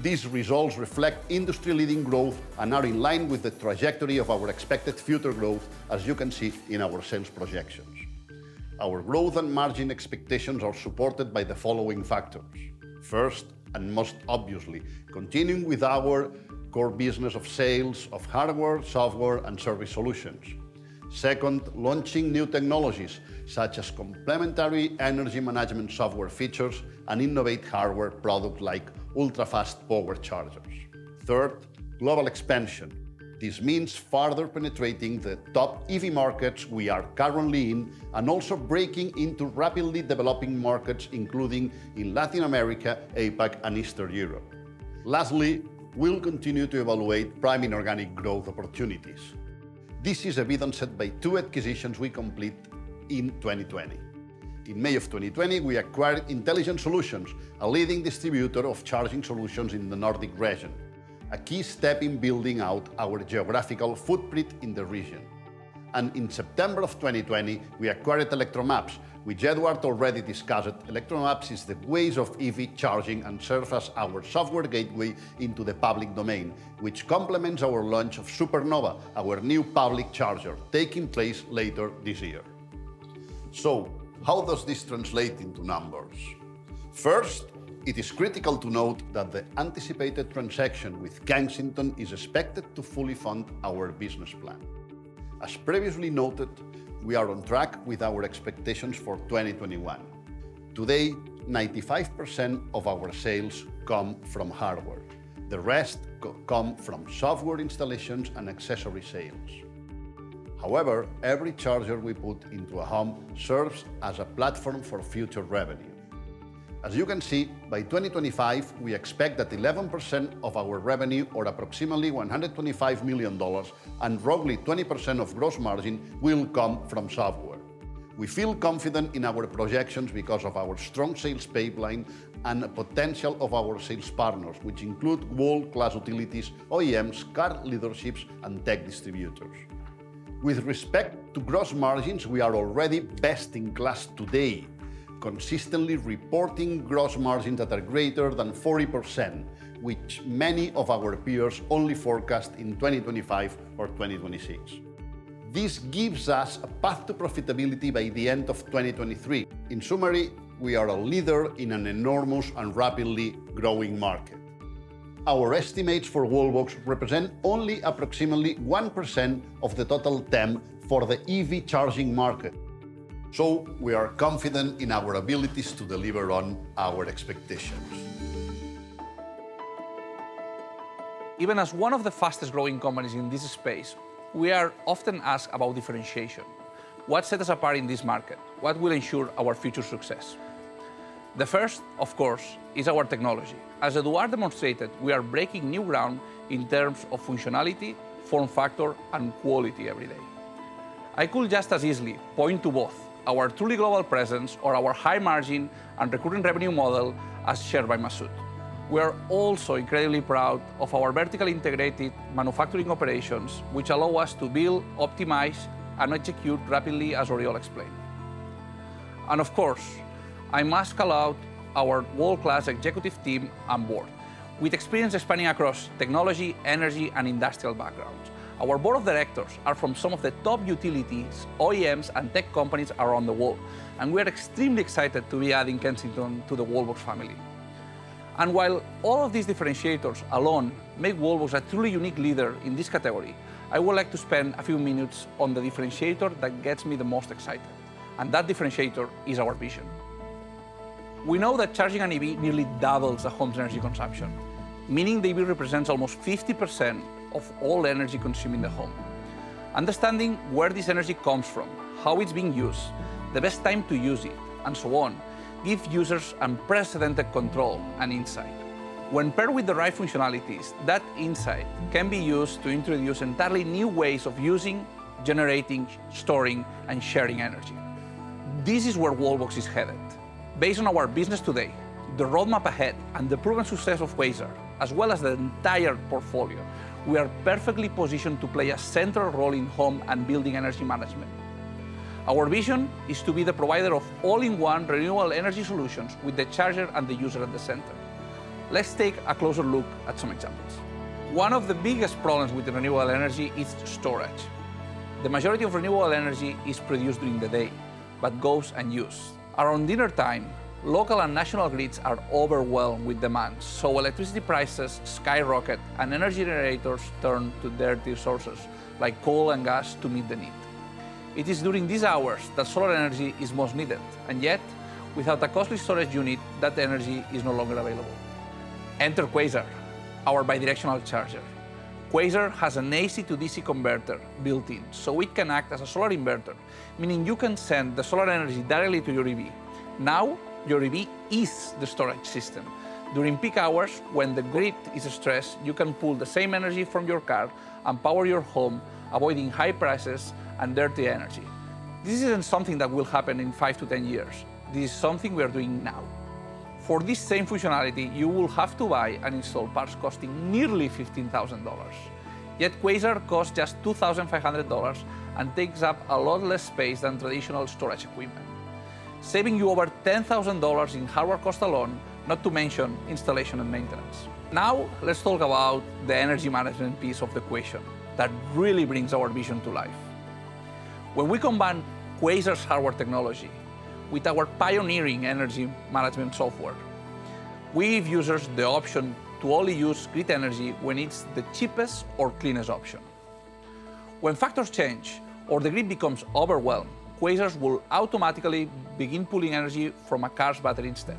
These results reflect industry-leading growth and are in line with the trajectory of our expected future growth, as you can see in our sales projections. Our growth and margin expectations are supported by the following factors. First, and most obviously, continuing with our core business of sales of hardware, software, and service solutions. Second, launching new technologies, such as complementary energy management software features and innovative hardware products like ultrafast power chargers. Third, global expansion. This means further penetrating the top EV markets we are currently in and also breaking into rapidly developing markets, including in Latin America, APAC, and Eastern Europe. Lastly, we'll continue to evaluate prime inorganic growth opportunities. This is evident by two acquisitions we completed in 2020. In May of 2020, we acquired Intelligent Solutions, a leading distributor of charging solutions in the Nordic region, a key step in building out our geographical footprint in the region. In September of 2020, we acquired Electromaps, which Eduard already discussed. Electromaps is the Waze of EV charging and serves as our software gateway into the public domain, which complements our launch of Supernova, our new public charger, taking place later this year. How does this translate into numbers? First, it is critical to note that the anticipated transaction with Kensington is expected to fully fund our business plan. As previously noted, we are on track with our expectations for 2021. Today, 95% of our sales come from hardware. The rest come from software installations and accessory sales. However, every charger we put into a home serves as a platform for future revenue. As you can see, by 2025, we expect that 11% of our revenue, or approximately $125 million, and roughly 20% of gross margin, will come from software. We feel confident in our projections because of our strong sales pipeline and the potential of our sales partners, which include world-class utilities, OEMs, car dealerships, and tech distributors. With respect to gross margins, we are already best in class today, consistently reporting gross margins that are greater than 40%, which many of our peers only forecast in 2025 or 2026. This gives us a path to profitability by the end of 2023. In summary, we are a leader in an enormous and rapidly growing market. Our estimates for Wallbox represent only approximately 1% of the total TAM for the EV charging market. We are confident in our abilities to deliver on our expectations. Even as one of the fastest-growing companies in this space, we are often asked about differentiation. What sets us apart in this market? What will ensure our future success? The first, of course, is our technology. As Eduard demonstrated, we are breaking new ground in terms of functionality, form factor, and quality every day. I could just as easily point to both our truly global presence or our high margin and recurring revenue model, as shared by Masud. We are also incredibly proud of our vertically integrated manufacturing operations, which allow us to build, optimize, and execute rapidly, as Oriol explained. Of course, I must call out our world-class executive team on board. With experience spanning across technology, energy, and industrial backgrounds, our board of directors are from some of the top utilities, OEMs, and tech companies around the world. We're extremely excited to be adding Kensington to the Wallbox family. While all of these differentiators alone make Wallbox a truly unique leader in this category, I would like to spend a few minutes on the differentiator that gets me the most excited. That differentiator is our vision. We know that charging an EV nearly doubles a home's energy consumption, meaning the EV represents almost 50% of all energy consumed in the home. Understanding where this energy comes from, how it's being used, the best time to use it, and so on, give users unprecedented control and insight. When paired with the right functionalities, that insight can be used to introduce entirely new ways of using, generating, storing, and sharing energy. This is where Wallbox is headed. Based on our business today, the roadmap ahead, and the proven success of Quasar, as well as the entire portfolio, we are perfectly positioned to play a central role in home and building energy management. Our vision is to be the provider of all-in-one renewable energy solutions with the charger and the user at the center. Let's take a closer look at some examples. One of the biggest problems with renewable energy is storage. The majority of renewable energy is produced during the day, but goes unused. Around dinnertime, local and national grids are overwhelmed with demand, so electricity prices skyrocket and energy generators turn to dirty sources like coal and gas to meet the need. It is during these hours that solar energy is most needed, and yet without a costly storage unit, that energy is no longer available. Enter Quasar, our bidirectional charger. Quasar has an AC to DC converter built in, so it can act as a solar inverter, meaning you can send the solar energy directly to your EV. Your EV is the storage system. During peak hours, when the grid is stressed, you can pull the same energy from your car and power your home, avoiding high prices and dirty energy. This isn't something that will happen in 5 to 10 years. This is something we are doing now. For this same functionality, you will have to buy and install parts costing nearly $15,000. Quasar costs just $2,500 and takes up a lot less space than traditional storage equipment, saving you over $10,000 in hardware cost alone, not to mention installation and maintenance. Let's talk about the energy management piece of the equation that really brings our vision to life. When we combine Quasar's hardware technology with our pioneering energy management software, we give users the option to only use grid energy when it's the cheapest or cleanest option. When factors change or the grid becomes overwhelmed, Quasars will automatically begin pulling energy from a car's battery instead.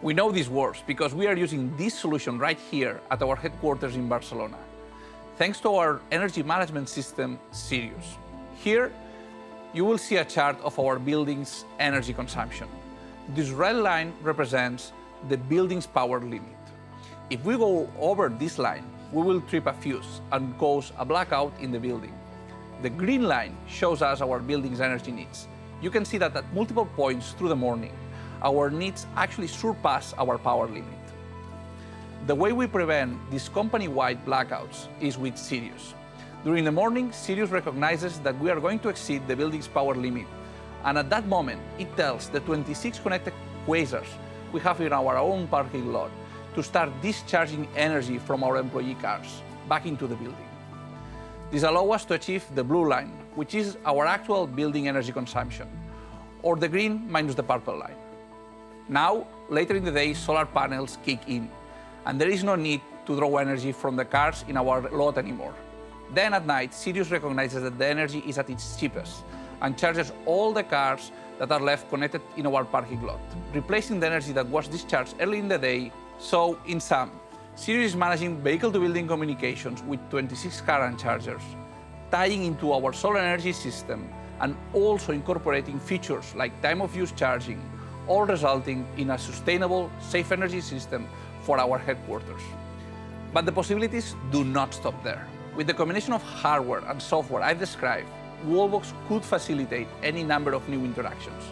We know this works because we are using this solution right here at our headquarters in Barcelona, thanks to our energy management system, Sirius. Here, you will see a chart of our building's energy consumption. This red line represents the building's power limit. If we go over this line, we will trip a fuse and cause a blackout in the building. The green line shows us our building's energy needs. You can see that at multiple points through the morning, our needs actually surpass our power limit. The way we prevent these company-wide blackouts is with Sirius. During the morning, Sirius recognizes that we are going to exceed the building's power limit. At that moment, it tells the 26 connected Quasars we have in our own parking lot to start discharging energy from our employee cars back into the building. This allows us to achieve the blue line, which is our actual building energy consumption, or the green minus the purple line. Later in the day, solar panels kick in. There is no need to draw energy from the cars in our lot anymore. At night, Sirius recognizes that the energy is at its cheapest and charges all the cars that are left connected in our parking lot, replacing the energy that was discharged early in the day. In sum, Sirius managing vehicle-to-building communications with 26 current chargers, tying into our solar energy system, and also incorporating features like time of use charging, all resulting in a sustainable, safe energy system for our headquarters. The possibilities do not stop there. With the combination of hardware and software I described, Wallbox could facilitate any number of new interactions.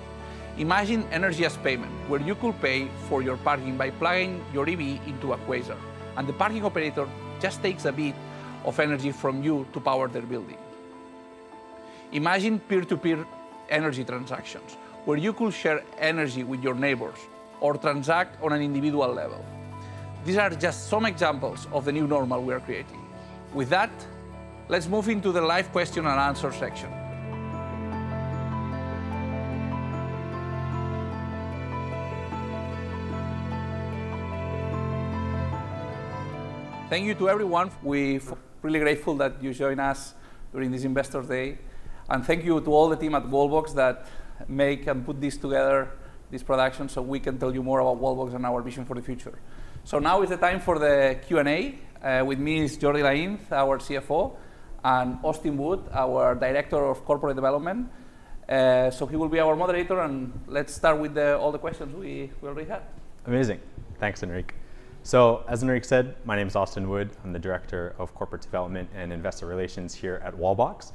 Imagine energy as payment, where you could pay for your parking by plugging your EV into a Quasar, and the parking operator just takes a bit of energy from you to power their building. Imagine peer-to-peer energy transactions, where you could share energy with your neighbors or transact on an individual level. These are just some examples of the new normal we are creating. With that, let's move into the live question and answer section. Thank you to everyone. We're really grateful that you joined us during this Investor Day, and thank you to all the team at Wallbox that make and put this together, this production, so we can tell you more about Wallbox and our vision for the future. Now is the time for the Q&A. With me is Jordi Lainz, our CFO, and Austin Wood, our Director of Corporate Development. He will be our moderator, and let's start with all the questions we already have. Amazing. Thanks, Enric. As Enric said, my name is Austin Wood. I'm the Director of Corporate Development and Investor Relations here at Wallbox.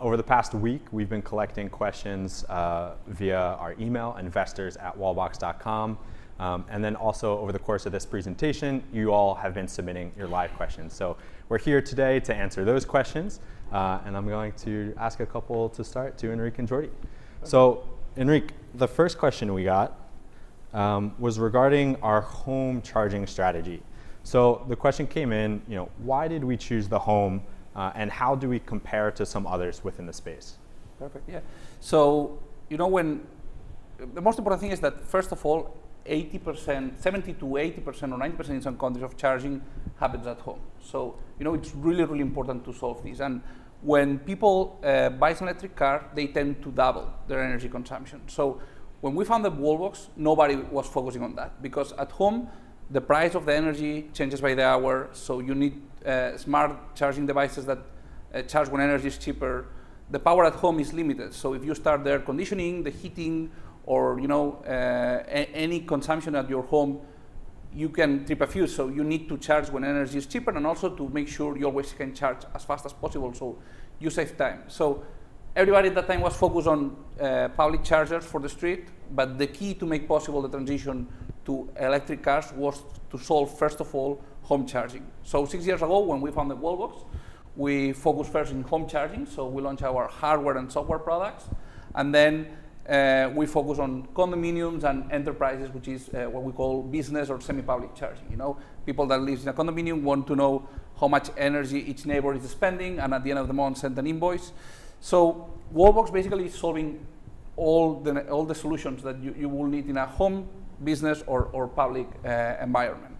Over the past week, we've been collecting questions via our email, investors@wallbox.com, and then also over the course of this presentation, you all have been submitting your live questions. We're here today to answer those questions. I'm going to ask a couple to start to Enric and Jordi. Enric, the first question we got was regarding our home charging strategy. The question came in, why did we choose the home, and how do we compare to some others within the space? Perfect. The most important thing is that, first of all, 70%-80%, or 90% in some countries, of charging happens at home. It's really, really important to solve this. When people buy an electric car, they tend to double their energy consumption. When we founded Wallbox, nobody was focusing on that, because at home, the price of the energy changes by the hour, so you need smart charging devices that charge when energy's cheaper. The power at home is limited, so if you start the air conditioning, the heating, or any consumption at your home, you can trip a fuse. You need to charge when energy is cheaper, and also to make sure you always can charge as fast as possible so you save time. Everybody at that time was focused on public chargers for the street, but the key to make possible the transition to electric cars was to solve, first of all, home charging. Six years ago, when we founded Wallbox, we focused first on home charging. We launched our hardware and software products, and then we focused on condominiums and enterprises, which is what we call business or semi-public charging. People that lives in a condominium want to know how much energy each neighbor is spending, and at the end of the month, send an invoice. Wallbox basically is solving all the solutions that you will need in a home, business, or public environment.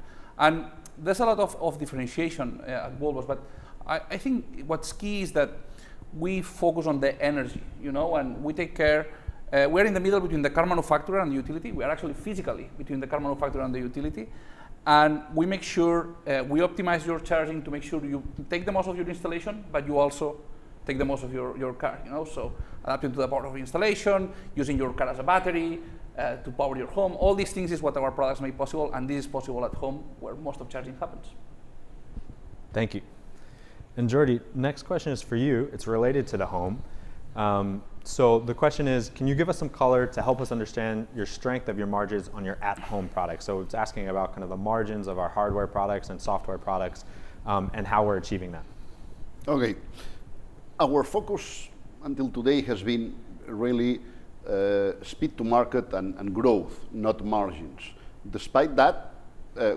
There's a lot of differentiation at Wallbox, but I think what's key is that we focus on the energy. We're in the middle between the car manufacturer and the utility. We are actually physically between the car manufacturer and the utility. We make sure we optimize your charging to make sure you take the most of your installation, but you also take the most of your car. Up into the part of installation, using your car as a battery to power your home, all these things is what our products make possible, and this is possible at home, where most of charging happens. Thank you. Jordi, next question is for you. It's related to the home. The question is, can you give us some color to help us understand your strength of your margins on your at-home product? It's asking about the margins of our hardware products and software products, and how we're achieving that. Okay. Our focus until today has been really speed to market and growth, not margins. Despite that,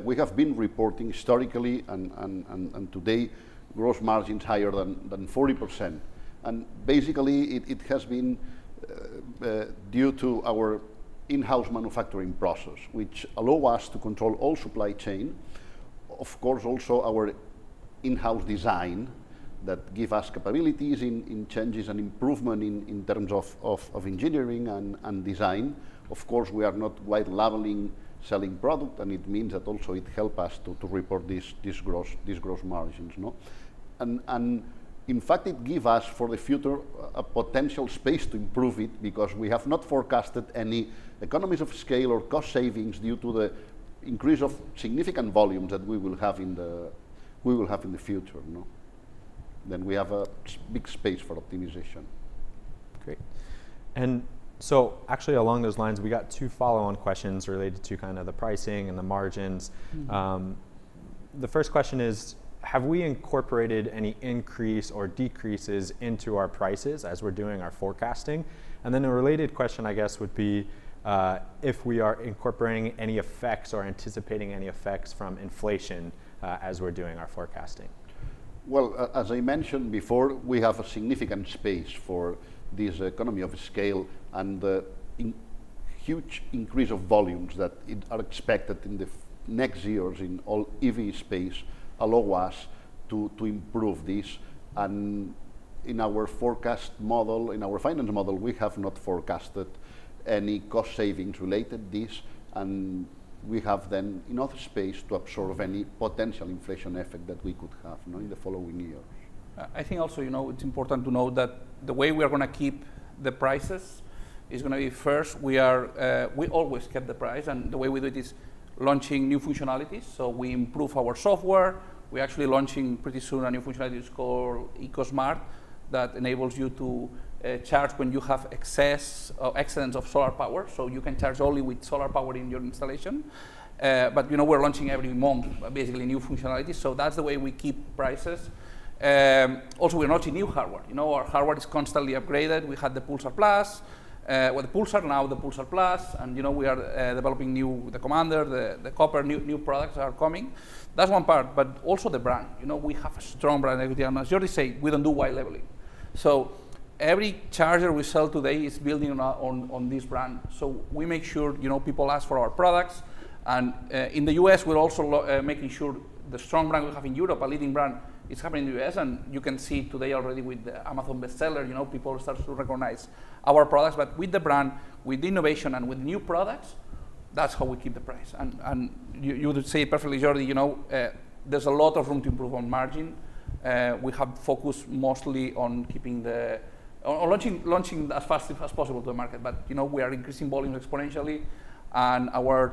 we have been reporting historically, and today, gross margins higher than 40%. Basically, it has been due to our in-house manufacturing process, which allow us to control all supply chain. Of course, also our in-house design that give us capabilities in changes and improvement in terms of engineering and design. Of course, we are not white labeling selling product, and it means that also it help us to report these gross margins. No? In fact, it give us, for the future, a potential space to improve it because we have not forecasted any economies of scale or cost savings due to the increase of significant volume that we will have in the future. No? We have a big space for optimization. Great. Actually, along those lines, we got two follow-on questions related to the pricing and the margins. The first question is, have we incorporated any increase or decreases into our prices as we're doing our forecasting? A related question, I guess, would be, if we are incorporating any effects or anticipating any effects from inflation as we're doing our forecasting. Well, as I mentioned before, we have a significant space for this economy of scale. The huge increase of volumes that are expected in the next years in all EV space allow us to improve this. In our forecast model, in our financial model, we have not forecasted any cost savings related this. We have, then, enough space to absorb any potential inflation effect that we could have in the following years. I think also it's important to note that the way we are going to keep the prices is going to be first, we always kept the price. The way we do it is launching new functionalities. We improve our software. We're actually launching pretty soon a new functionality called Eco-Smart that enables you to charge when you have excess or excellence of solar power. You can charge only with solar power in your installation. We're launching every month, basically, new functionality. That's the way we keep prices. Also, we're launching new hardware. Our hardware is constantly upgraded. We had the Pulsar Plus. We had the Pulsar, now the Pulsar Plus. We are developing new, the Commander, the Copper, new products are coming. That's one part. Also the brand. We have a strong brand identity. As Jordi Lainz says, we don't do white labeling. Every charger we sell today is building on this brand. We make sure people ask for our products. In the U.S., we're also making sure the strong brand we have in Europe, a leading brand, is happening in the U.S. You can see today already with the Amazon bestseller, people are starting to recognize our products. With the brand, with innovation, and with new products, that's how we keep the price. You would say perfectly, Jordi Lainz, there's a lot of room to improve on margin. We have focused mostly on launching as fast as possible to the market. We are increasing volume exponentially, and there's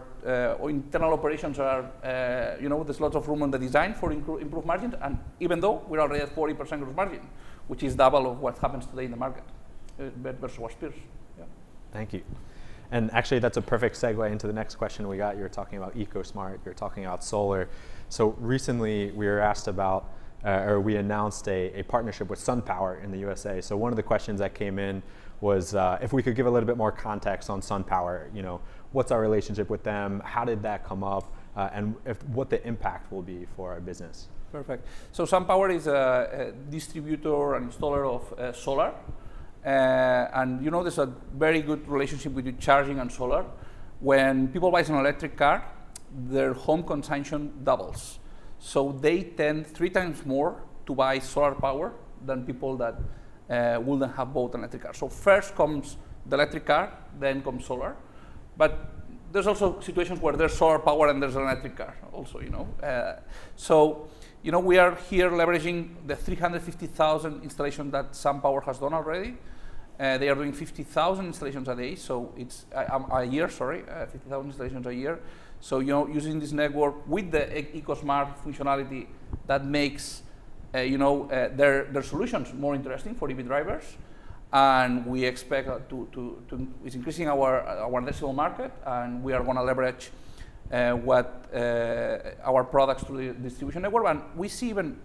lots of room on the design for improved margins. Even though we're already at 40% gross margin, which is double of what happens today in the market versus our peers. Yeah. Thank you. Actually, that's a perfect segue into the next question we got. You're talking about Eco-Smart, you're talking about solar. Recently, we were asked about, or we announced a partnership with SunPower in the U.S.A. One of the questions that came in was, if we could give a little bit more context on SunPower. What's our relationship with them? How did that come up? What the impact will be for our business. Perfect. SunPower is a distributor and installer of solar. There's a very good relationship between charging and solar. When people buy an electric car, their home consumption doubles. They tend three times more to buy solar power than people that wouldn't have bought an electric car. First comes the electric car, then comes solar. There's also situations where there's solar power and there's an electric car also. We are here leveraging the 350,000 installation that SunPower has done already. They are doing 50,000 installations a day, so it's A year, sorry. 50,000 installations a year. Using this network with the Eco-Smart functionality, that makes their solutions more interesting for EV drivers. We expect it's increasing our national market, and we are going to leverage our products through the distribution network. We see even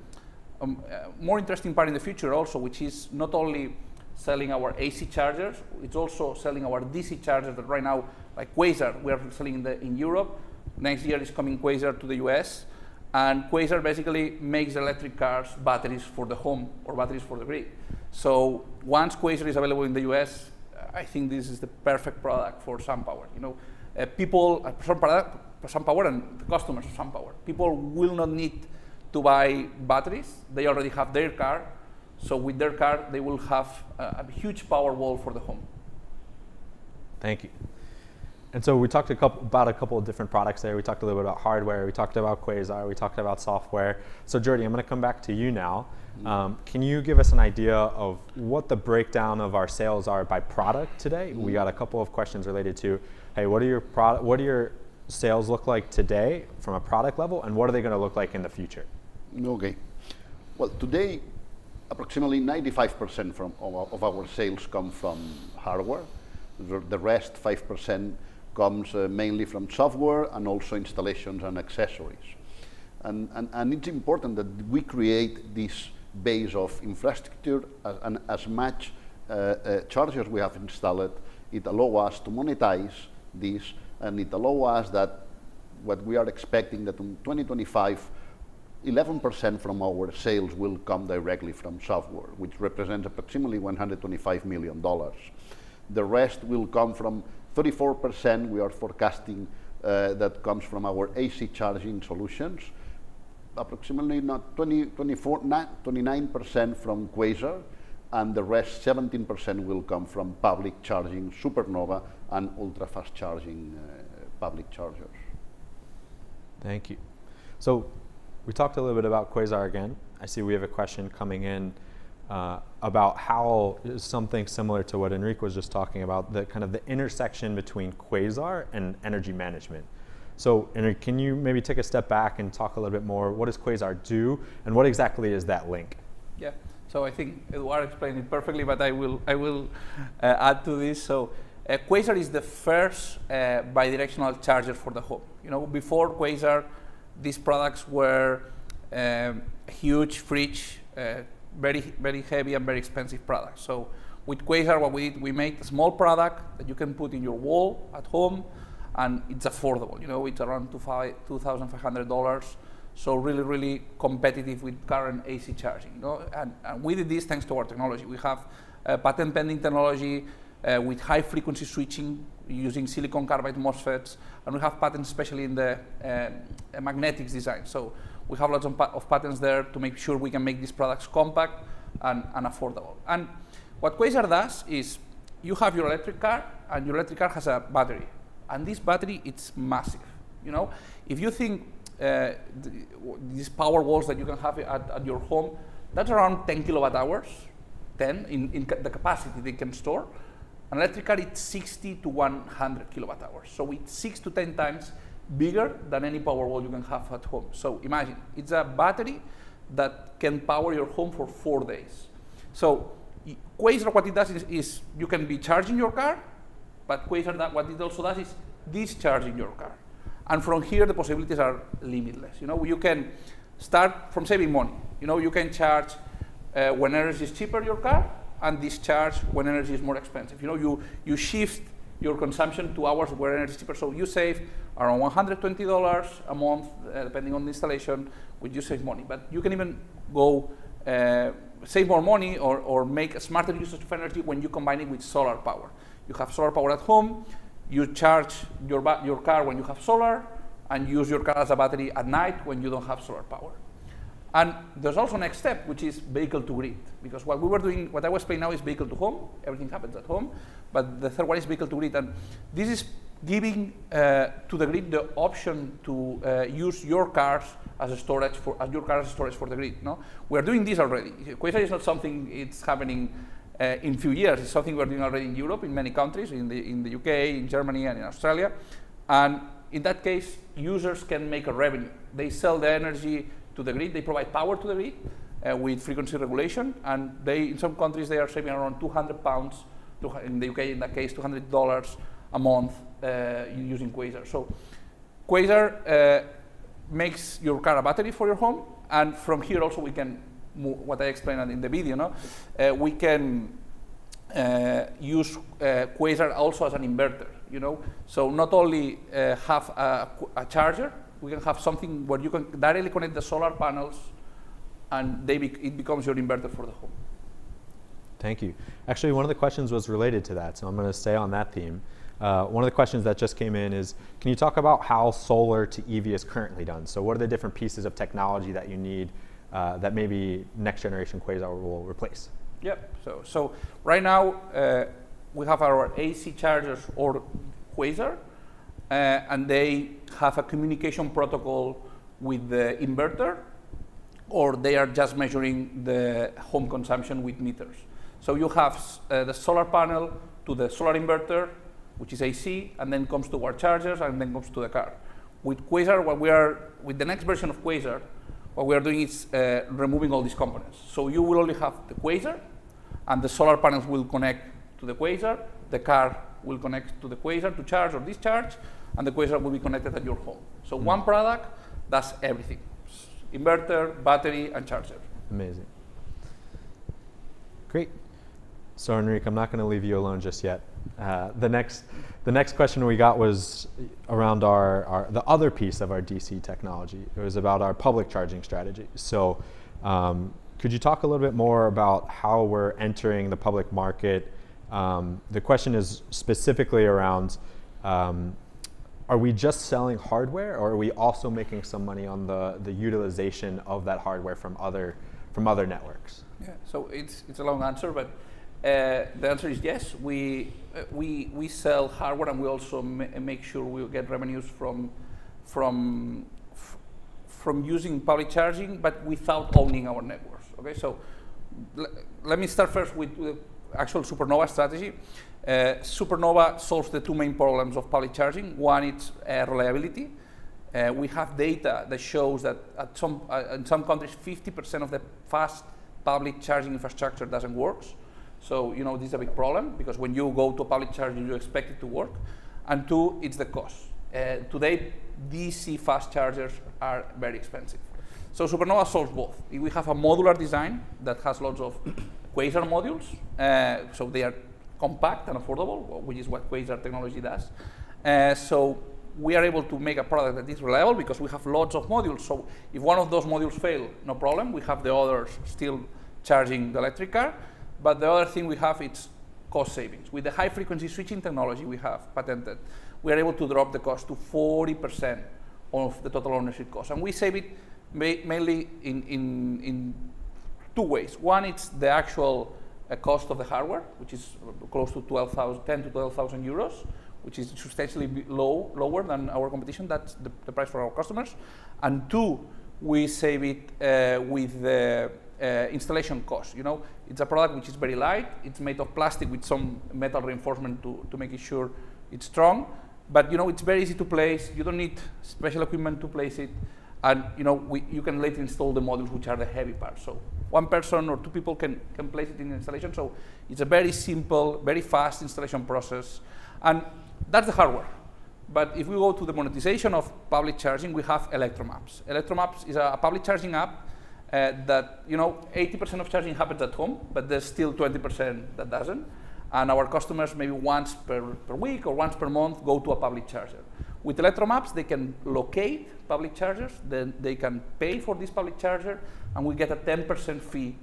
more interesting part in the future also, which is not only selling our AC chargers, it's also selling our DC chargers that right now, like Quasar, we are selling in Europe. Next year is coming Quasar to the U.S. Quasar basically makes electric cars batteries for the home or batteries for the grid. Once Quasar is available in the U.S., I think this is the perfect product for SunPower. For SunPower and the customers of SunPower. People will not need to buy batteries. They already have their car. With their car, they will have a huge power wall for the home. Thank you. We talked about a couple of different products there. We talked a little bit about hardware, we talked about Quasar, we talked about software. Jordi, I'm going to come back to you now. Can you give us an idea of what the breakdown of our sales are by product today? We got a couple of questions related to, hey, what do your sales look like today from a product level, and what are they going to look like in the future? Okay. Well, today, approximately 95% of our sales come from hardware. The rest, 5%, comes mainly from software and also installations and accessories. It's important that we create this base of infrastructure, and as much chargers we have installed, it allow us to monetize this and it allow us that what we are expecting that in 2025, 11% from our sales will come directly from software, which represent approximately $125 million. The rest will come from 34% we are forecasting, that comes from our AC charging solutions. Approximately 29% from Quasar, and the rest, 17%, will come from public charging Supernova and ultra-fast charging public chargers. Thank you. We talked a little bit about Quasar again. I see we have a question coming in about how something similar to what Enric was just talking about, the intersection between Quasar and energy management. Enric, can you maybe take a step back and talk a little more, what does Quasar do, and what exactly is that link? I think Eduard Castañeda explained it perfectly, but I will add to this. Quasar is the first bidirectional charger for the home. Before Quasar, these products were huge, very heavy, and very expensive product. With Quasar, what we make a small product that you can put in your wall at home, and it's affordable. It's around $2,500. Really, really competitive with current AC charging. We did this thanks to our technology. We have a patent-pending technology with high-frequency switching using silicon carbide MOSFETs, and we have patents especially in the magnetics design. We have lots of patents there to make sure we can make these products compact and affordable. What Quasar does is you have your electric car, and your electric car has a battery. This battery, it's massive. If you think these power walls that you can have at your home, that's around 10 kWh. 10 in the capacity they can store. An electric car, it's 60-100 kWh. It's 6-10x bigger than any power wall you can have at home. Imagine, it's a battery that can power your home for four days. Quasar, what it does is you can be charging your car, but Quasar, what it also does is discharging your car. From here, the possibilities are limitless. You can start from saving money. You can charge when energy is cheaper, your car, and discharge when energy is more expensive. You shift your consumption to hours where energy is cheaper. You save around $120 a month, depending on the installation, you save money. You can even save more money or make a smarter usage of energy when you combine it with solar power. You have solar power at home. You charge your car when you have solar, and use your car as a battery at night when you don't have solar power. There's also next step, which is vehicle-to-grid. What I was explaining now is vehicle-to-home, everything happens at home. The third one is vehicle-to-grid, and this is giving to the grid the option to use your car as storage for the grid. We are doing this already. Quasar is not something it's happening in few years. It's something we are doing already in Europe, in many countries, in the U.K., in Germany, and in Australia. In that case, users can make a revenue. They sell the energy to the grid, they provide power to the grid with frequency regulation, and in some countries, they are saving around 200 pounds. In the U.K., in that case, $200 a month using Quasar. Quasar makes your car a battery for your home. From here also, what I explained in the video, we can use Quasar also as an inverter. Not only have a charger, we can have something where you can directly connect the solar panels, and it becomes your inverter for the home. Thank you. Actually, one of the questions was related to that, so I'm going to stay on that theme. One of the questions that just came in is, can you talk about how solar to EV is currently done? What are the different pieces of technology that you need that maybe next generation Quasar will replace? Yep. Right now, we have our AC chargers or Quasar, and they have a communication protocol with the inverter, or they are just measuring the home consumption with meters. You have the solar panel to the solar inverter, which is AC, and then comes to our chargers and then goes to the car. With the next version of Quasar, what we are doing is removing all these components. You will only have the Quasar, and the solar panels will connect to the Quasar. The car will connect to the Quasar to charge or discharge, and the Quasar will be connected at your home. One product does everything. Inverter, battery, and charger. Amazing. Great. Enric, I'm not going to leave you alone just yet. The next question we got was around the other piece of our DC technology. It was about our public charging strategy. Could you talk a little bit more about how we're entering the public market? The question is specifically around, are we just selling hardware, or are we also making some money on the utilization of that hardware from other networks? Yeah. It's a long answer, but the answer is yes. We sell hardware, and we also make sure we'll get revenues from using public charging, but without owning our networks. Okay? Let me start first with the actual Supernova strategy. Supernova solves the two main problems of public charging. One, it's reliability. We have data that shows that in some countries, 50% of the fast public charging infrastructure doesn't work. This is a big problem because when you go to a public charger, you expect it to work. Two, it's the cost. Today, DC fast chargers are very expensive. Supernova solves both. We have a modular design that has loads of Quasar modules. They are compact and affordable, which is what Quasar technology does. We are able to make a product that is reliable because we have loads of modules. If one of those modules fail, no problem, we have the others still charging the electric car. The other thing we have, it's cost savings. With the high-frequency switching technology we have patented, we are able to drop the cost to 40% of the total ownership cost. We save it mainly in two ways. One, it's the actual cost of the hardware, which is close to 10,000-12,000 euros, which is substantially lower than our competition. That's the price for our customers. Two, we save it with the installation cost. It's a product which is very light. It's made of plastic with some metal reinforcement to making sure it's strong. It's very easy to place. You don't need special equipment to place it. You can later install the modules, which are the heavy part. One person or two people can place it in installation. It's a very simple, very fast installation process. That's the hardware. If we go to the monetization of public charging, we have Electromaps. Electromaps is a public charging app that 80% of charging happens at home, but there's still 20% that doesn't. Our customers, maybe once per week or once per month, go to a public charger. With Electromaps, they can locate public chargers, then they can pay for this public charger, and we get a 10% fee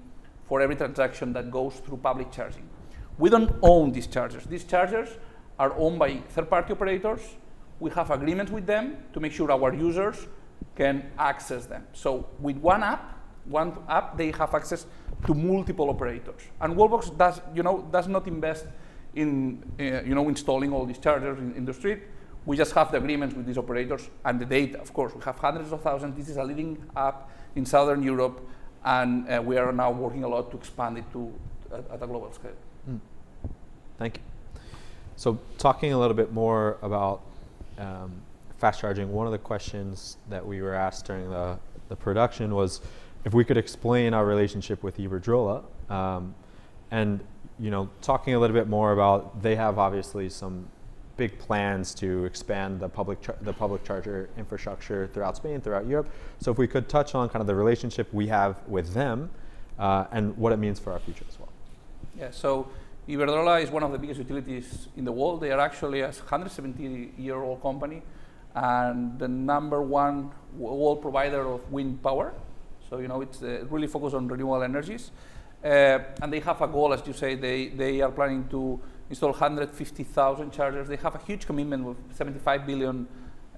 for every transaction that goes through public charging. We don't own these chargers. These chargers are owned by third-party operators. We have agreements with them to make sure our users can access them. With one app, they have access to multiple operators. Wallbox does not invest in installing all these chargers in the street. We just have the agreements with these operators and the data. Of course, we have hundreds of thousands. This is a leading app in Southern Europe. We are now working a lot to expand it at a global scale. Thank you. Talking a little bit more about fast charging, one of the questions that we were asked during the production was if we could explain our relationship with Iberdrola. They have obviously some big plans to expand the public charger infrastructure throughout Spain, throughout Europe. If we could touch on kind of the relationship we have with them, and what it means for our future as well. Yeah. Iberdrola is one of the biggest utilities in the world. They are actually a 170-year-old company, and the number one world provider of wind power. It's really focused on renewable energies. They have a goal, as you say, they are planning to install 150,000 chargers. They have a huge commitment with $75 billion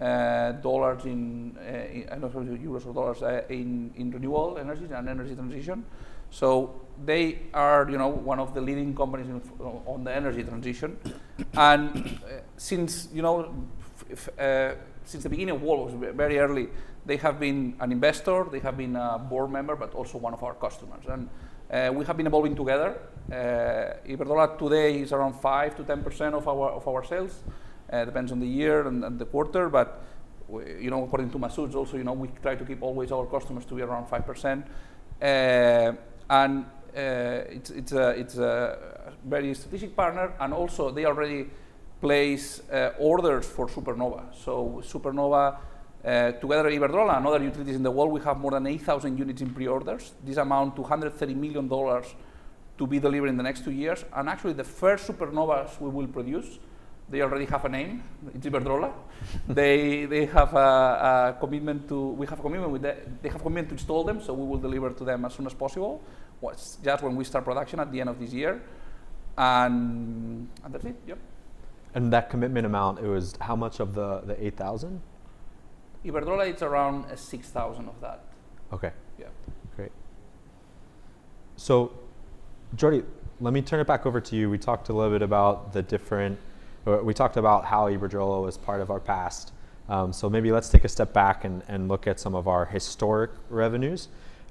in, I don't know if euros or dollars, in renewable energies and energy transition. They are one of the leading companies on the energy transition. Since the beginning of Wallbox, very early, they have been an investor, they have been a board member, but also one of our customers. We have been evolving together. Iberdrola today is around 5%-10% of our sales. Depends on the year and the quarter. According to Massoud, also, we try to keep always our customers to be around 5%. It's a very strategic partner. Also, they already place orders for Supernova. Supernova, together with Iberdrola and other utilities in the world, we have more than 8,000 units in pre-orders. This amount to $130 million to be delivered in the next two years. Actually, the first Supernovas we will produce. They already have a name, it's Iberdrola. We have a commitment with them. They have commitment to install them, so we will deliver to them as soon as possible. Just when we start production at the end of this year. That's it. Yep. That commitment amount, it was how much of the 8,000? Iberdrola, it is around 6,000 of that. Okay. Yeah. Great. Jordi, let me turn it back over to you. We talked about how Iberdrola was part of our past. Maybe let's take a step back and look at some of our historic revenues.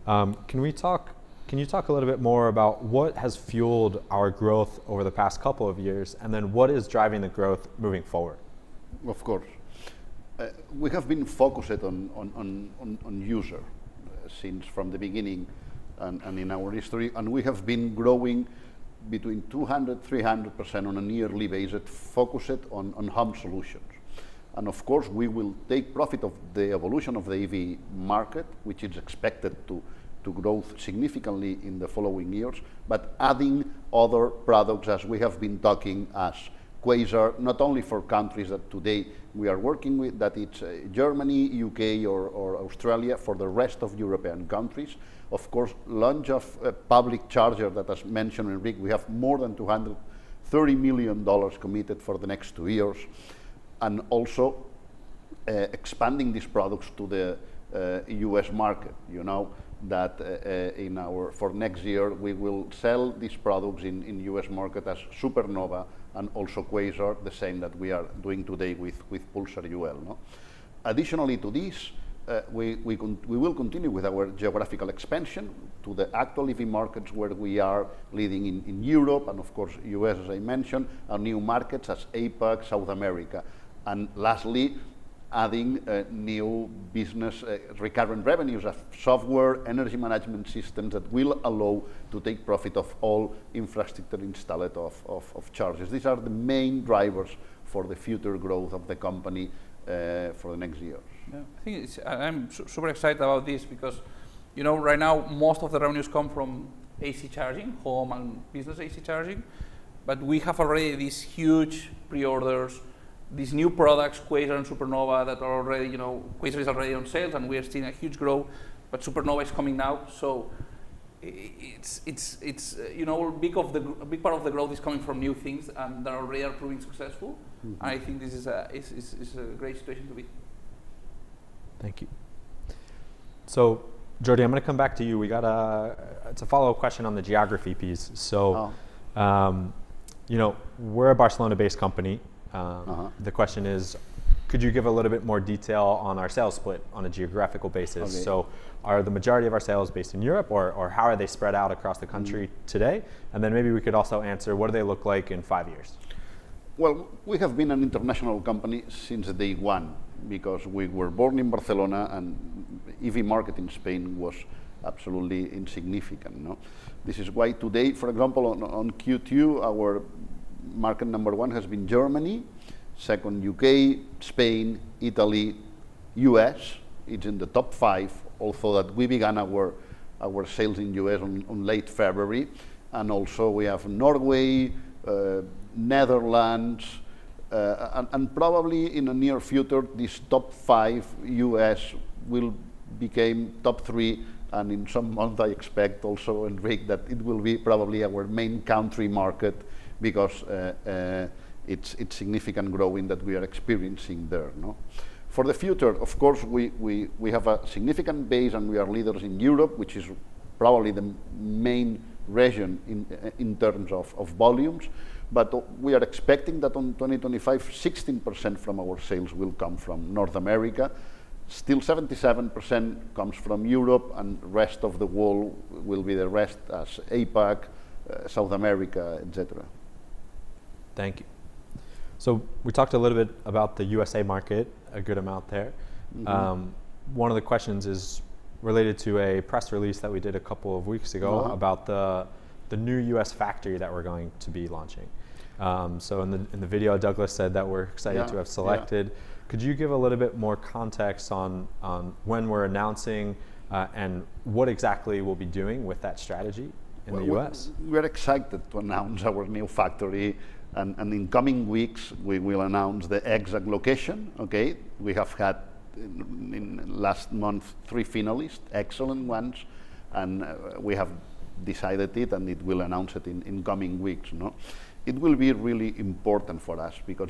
Can you talk a little bit more about what has fueled our growth over the past couple of years, what is driving the growth moving forward? We have been focused on user since from the beginning and in our history. We have been growing between 200%-300% on a yearly basis, focused on home solutions. Adding other products as we have been talking, as Quasar, not only for countries that today we are working with, that it's Germany, U.K., or Australia, for the rest of European countries. Launch of a public charger that as mentioned Enric. We have more than $230 million committed for the next two years. Expanding these products to the U.S. market. You know that for next year, we will sell these products in U.S. market as Supernova and also Quasar. The same that we are doing today with Pulsar UL. Additionally to this, we will continue with our geographical expansion to the actual EV markets where we are leading in Europe and of course, U.S., as I mentioned. New markets as APAC, South America. Lastly, adding new business recurring revenues as software, energy management systems that will allow to take profit of all infrastructure installed of chargers. These are the main drivers for the future growth of the company for the next year. Yeah. I'm super excited about this because right now most of the revenues come from AC charging, home and business AC charging. We have already these huge pre-orders, these new products, Quasar and Supernova. Quasar is already on sale, and we are seeing a huge growth. Supernova is coming out, so a big part of the growth is coming from new things, and they already are proving successful. I think this is a great situation to be. Thank you. Jordi, I'm going to come back to you. It's a follow-up question on the geography piece. Oh. We're a Barcelona-based company. The question is, could you give a little bit more detail on our sales split on a geographical basis? Okay. Are the majority of our sales based in Europe, or how are they spread out across the country today? Maybe we could also answer, what do they look like in five years? Well, we have been an international company since day one because we were born in Barcelona, and EV market in Spain was absolutely insignificant. This is why today, for example, on Q2, our market number one has been Germany, second U.K., Spain, Italy, U.S. It's in the top five. Also, that we began our sales in U.S. on late February. We have Norway, Netherlands, and probably in the near future, this top five, U.S. will became top three. In some month, I expect also, Enric, that it will be probably our main country market because it's significant growing that we are experiencing there. For the future, of course, we have a significant base, and we are leaders in Europe, which is probably the main region in terms of volumes. We are expecting that on 2025, 16% from our sales will come from North America. Still, 77% comes from Europe, and rest of the world will be the rest as APAC, South America, et cetera. Thank you. We talked a little bit about the U.S. market a good amount there. One of the questions is related to a press release that we did a couple of weeks ago. about the new U.S. factory that we're going to be launching. In the video, Douglas said that we're Yeah to have selected. Could you give a little bit more context on when we're announcing, and what exactly we'll be doing with that strategy in the U.S.? We're excited to announce our new factory, in coming weeks, we will announce the exact location. We have had in last month three finalists, excellent ones. We have decided it, and it will announce it in coming weeks. It will be really important for us because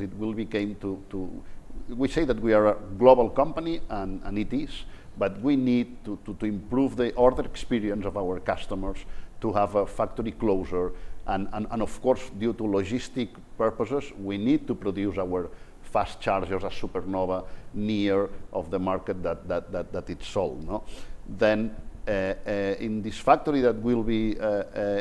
we say that we are a global company, and it is. We need to improve the order experience of our customers to have a factory closer. Of course, due to logistic purposes, we need to produce our fast chargers as Supernova near of the market that it's sold. In this factory that will be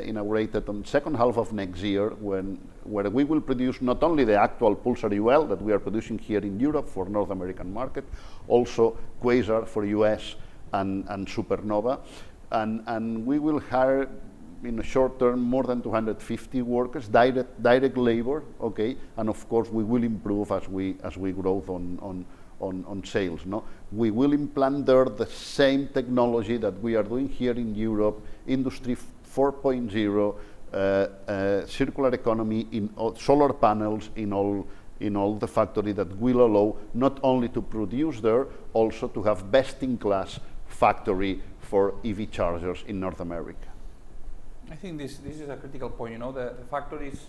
inaugurated on 2nd half of next year, where we will produce not only the actual Pulsar UL that we are producing here in Europe for North American market, also Quasar for U.S., and Supernova. We will hire in the short term more than 250 workers, direct labor. Of course, we will improve as we grow on sales. We will implant there the same technology that we are doing here in Europe, Industry 4.0, circular economy in solar panels, in all the factory that will allow not only to produce there, also to have best-in-class factory for EV chargers in North America. I think this is a critical point. The factories,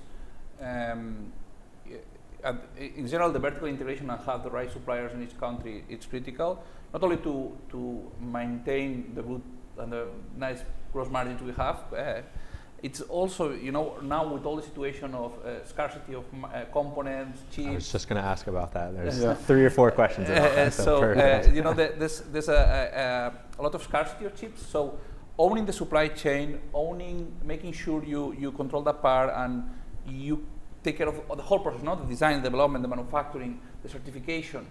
in general, the vertical integration and have the right suppliers in each country, it's critical. Not only to maintain the good and the nice growth margins we have, it's also, now with all the situation of scarcity of components. I was just going to ask about that. There is three or four questions about that. Go for it. There's a lot of scarcity of chips. Owning the supply chain, making sure you control that part and you take care of the whole process, not the design, the development, the manufacturing, the certification.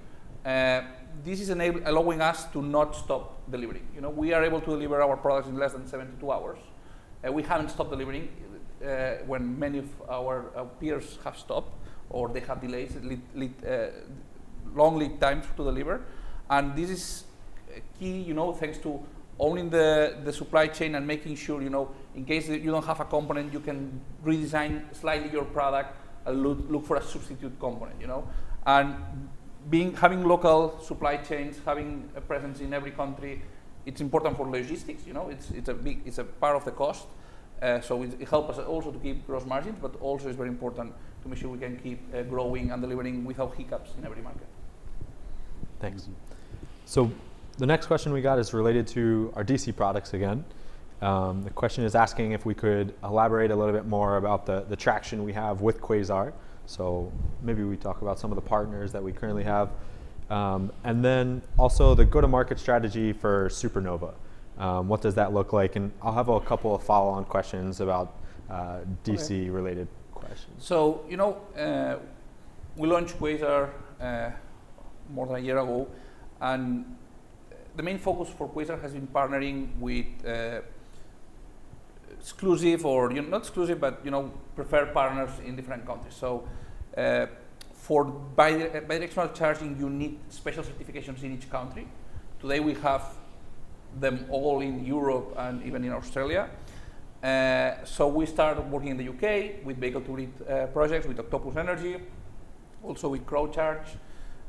This is allowing us to not stop delivering. We are able to deliver our products in less than 72 hours. We haven't stopped delivering, when many of our peers have stopped, or they have long lead times to deliver. This is key, thanks to owning the supply chain and making sure in case you don't have a component, you can redesign slightly your product and look for a substitute component. Having local supply chains, having a presence in every country, it's important for logistics. It's a part of the cost. It helps us also to keep growth margins, but also is very important to make sure we can keep growing and delivering without hiccups in every market. Thanks. The next question we got is related to our DC products again. The question is asking if we could elaborate a little bit more about the traction we have with Quasar. Maybe we talk about some of the partners that we currently have. Also the go-to-market strategy for Supernova. What does that look like? I'll have a couple of follow-on questions about DC-related questions. We launched Quasar more than one year ago, and the main focus for Quasar has been partnering with exclusive, or not exclusive, but preferred partners in different countries. Today, we have them all in Europe and even in Australia. We started working in the U.K. with vehicle-to-grid projects, with Octopus Energy, also with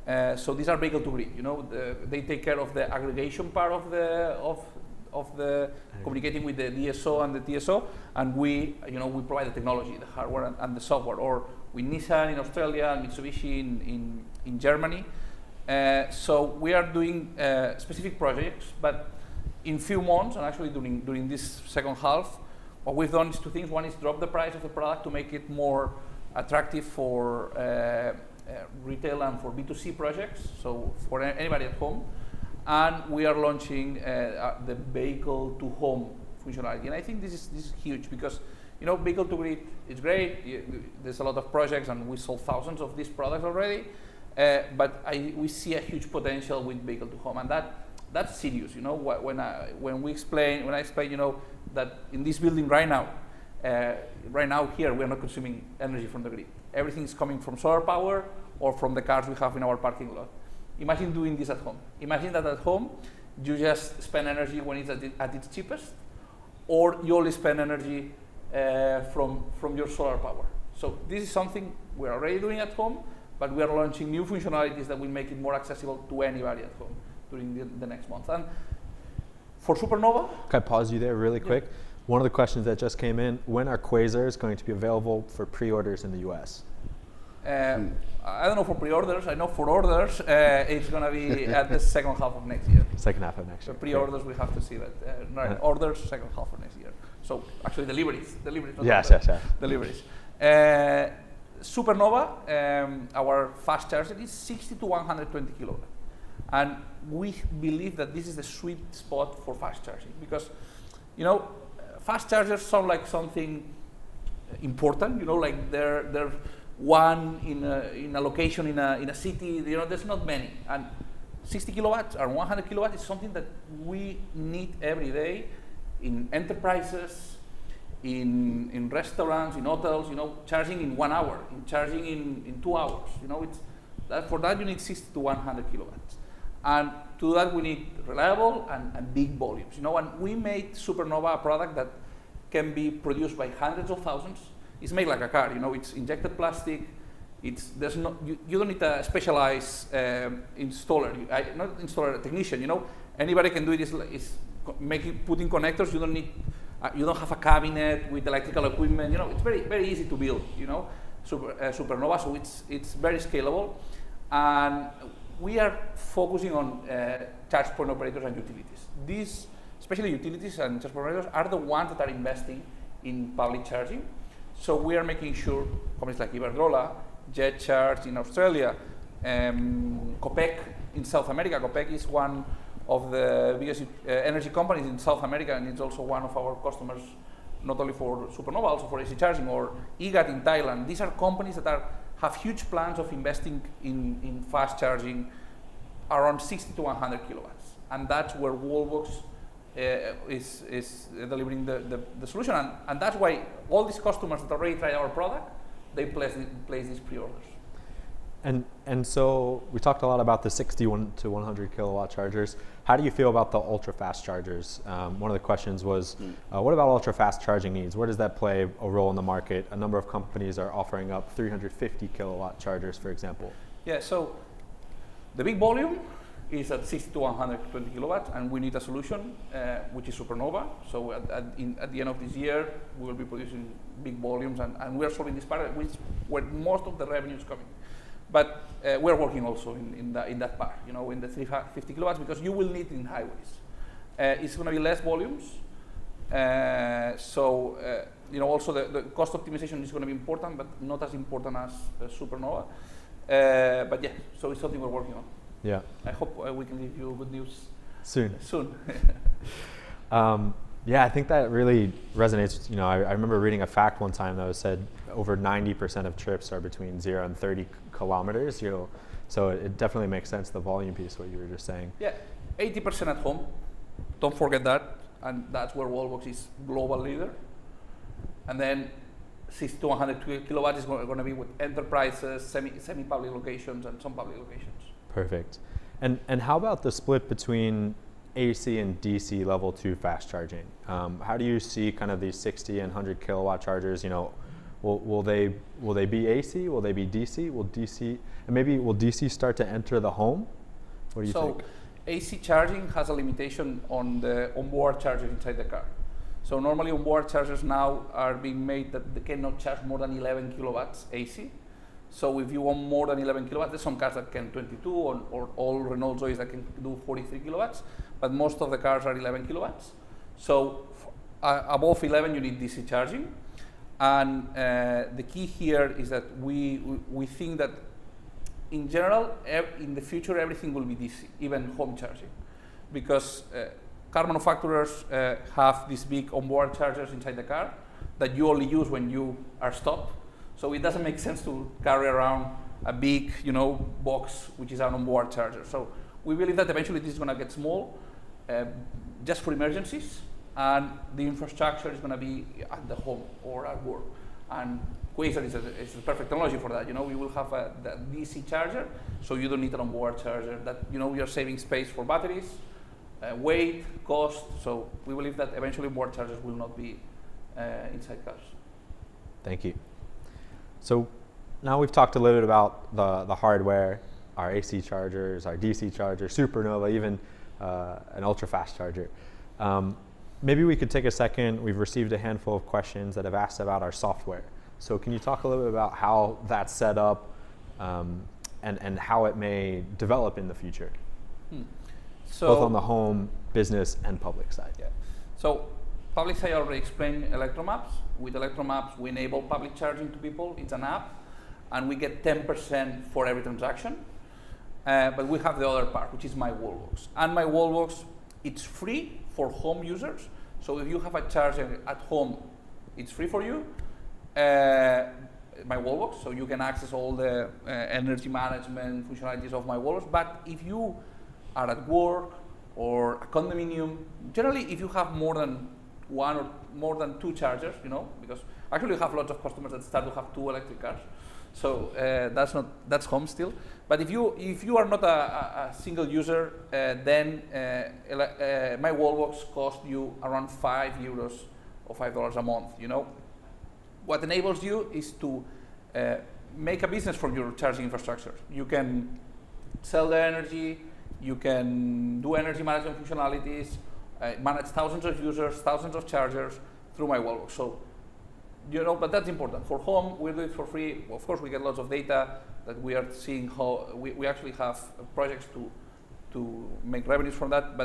GrowCharge. These are vehicle-to-grid. They take care of the aggregation part of the communicating with the DSO and the TSO, and we provide the technology, the hardware, and the software. With Nissan in Australia and Mitsubishi in Germany. We are doing specific projects, but in few months, and actually during this second half, what we've done is two things. One is drop the price of the product to make it more attractive for retail and for B2C projects, so for anybody at home. We are launching the vehicle-to-home functionality. I think this is huge because, vehicle-to-grid, it's great. There's a lot of projects and we sold thousands of these products already. We see a huge potential with vehicle-to-home, and that's Sirius. When I explain that in this building right now, right now here, we are not consuming energy from the grid. Everything's coming from solar power or from the cars we have in our parking lot. Imagine doing this at home. Imagine that at home, you just spend energy when it's at its cheapest, or you only spend energy from your solar power. This is something we are already doing at home, but we are launching new functionalities that will make it more accessible to anybody at home during the next months. For Supernova. Can I pause you there really quick? Yeah. One of the questions that just came in, when are Quasars going to be available for pre-orders in the U.S.? I don't know for pre-orders. I know for orders, it's going to be at the second half of next year. Second half of next year. For pre-orders, we have to see. Orders, second half of next year. Actually, deliveries. Yes. Supernova, our fast charger, is 60-120 kW. We believe that this is the sweet spot for fast charging because fast chargers sound like something important. There's one in a location in a city, there's not many. 60 kW or 100 kW is something that we need every day in enterprises, in restaurants, in hotels. Charging in 1 hour, charging in 2 hours. For that, you need 60-100 kW. To that, we need reliable and big volumes. We made Supernova a product that can be produced by hundreds of thousands. It's made like a car. It's injected plastic. You don't need a specialized installer. Not installer, a technician. Anybody can do this. It's putting connectors. You don't have a cabinet with electrical equipment. It's very easy to build Supernova, so it's very scalable. We are focusing on charge point operators and utilities. These, especially utilities and charge point operators, are the ones that are investing in public charging. We are making sure companies like Iberdrola, JET Charge in Australia, Copec in South America. Copec is one of the biggest energy companies in South America, and it's also one of our customers, not only for Supernova, also for AC charging, or EGAT in Thailand. These are companies that have huge plans of investing in fast charging, around 60-100 kW, and that's where Wallbox is delivering the solution. That's why all these customers that already tried our product, they place these pre-orders. We talked a lot about the 60-100 kW chargers. How do you feel about the ultra-fast chargers? What about ultra-fast charging needs? Where does that play a role in the market? A number of companies are offering up 350 kW chargers, for example. The big volume is at 60-120 kW, and we need a solution, which is Supernova. At the end of this year, we will be producing big volumes, and we are solving this part, where most of the revenue is coming. We're working also in that part, in the 350 kW, because you will need in highways. It's going to be less volumes. The cost optimization is going to be important, but not as important as Supernova. It's something we're working on. Yeah. I hope we can give you good news. Soon soon. Yeah, I think that really resonates. I remember reading a fact one time that said over 90% of trips are between 0 and 30 km. It definitely makes sense, the volume piece, what you were just saying. Yeah. 80% at home, don't forget that's where Wallbox is global leader. 60 to 120 kW is going to be with enterprises, semi-public locations, and some public locations. Perfect. How about the split between AC and DC level 2 fast charging? How do you see these 60 and 100 kW chargers? Will they be AC? Will they be DC? Maybe will DC start to enter the home? What do you think? AC charging has a limitation on onboard charging inside the car. Normally, onboard chargers now are being made that they cannot charge more than 11 kW AC. If you want more than 11 kW, there's some cars that can 22 kW or all Renault ZOE that can do 43 kW, but most of the cars are 11 kW. Above 11, you need DC charging. The key here is that we think that in general, in the future, everything will be DC, even home charging. Car manufacturers have these big onboard chargers inside the car that you only use when you are stopped. It doesn't make sense to carry around a big box, which is an onboard charger. We believe that eventually, this is going to get small, just for emergencies. The infrastructure is going to be at the home or at work. Quasar is a perfect technology for that. We will have that DC charger, so you don't need an onboard charger. We are saving space for batteries, weight, cost, so we believe that eventually, onboard chargers will not be inside cars. Thank you. Now we've talked a little bit about the hardware, our AC chargers, our DC chargers, Supernova, even an ultra-fast charger. Maybe we could take a second. We've received a handful of questions that have asked about our software. Can you talk a little bit about how that's set up, and how it may develop in the future? Mm. So- Both on the home, business, and public side. Public side, I already explained Electromaps. With Electromaps, we enable public charging to people. It is an app, and we get 10% for every transaction. We have the other part, which is myWallbox. myWallbox, it is free for home users. If you have a charger at home, it is free for you, myWallbox. You can access all the energy management functionalities of myWallbox. If you are at work or a condominium, generally, if you have more than one or more than two chargers, because actually we have lots of customers that start to have two electric cars. That is home still. If you are not a single user, myWallbox costs you around 5 euros or $5 a month. What enables you is to make a business from your charging infrastructure. You can sell the energy, you can do energy management functionalities, manage thousands of users, thousands of chargers through myWallbox. That's important. For home, we do it for free. Of course, we get lots of data that we are seeing. We actually have projects to make revenues from that.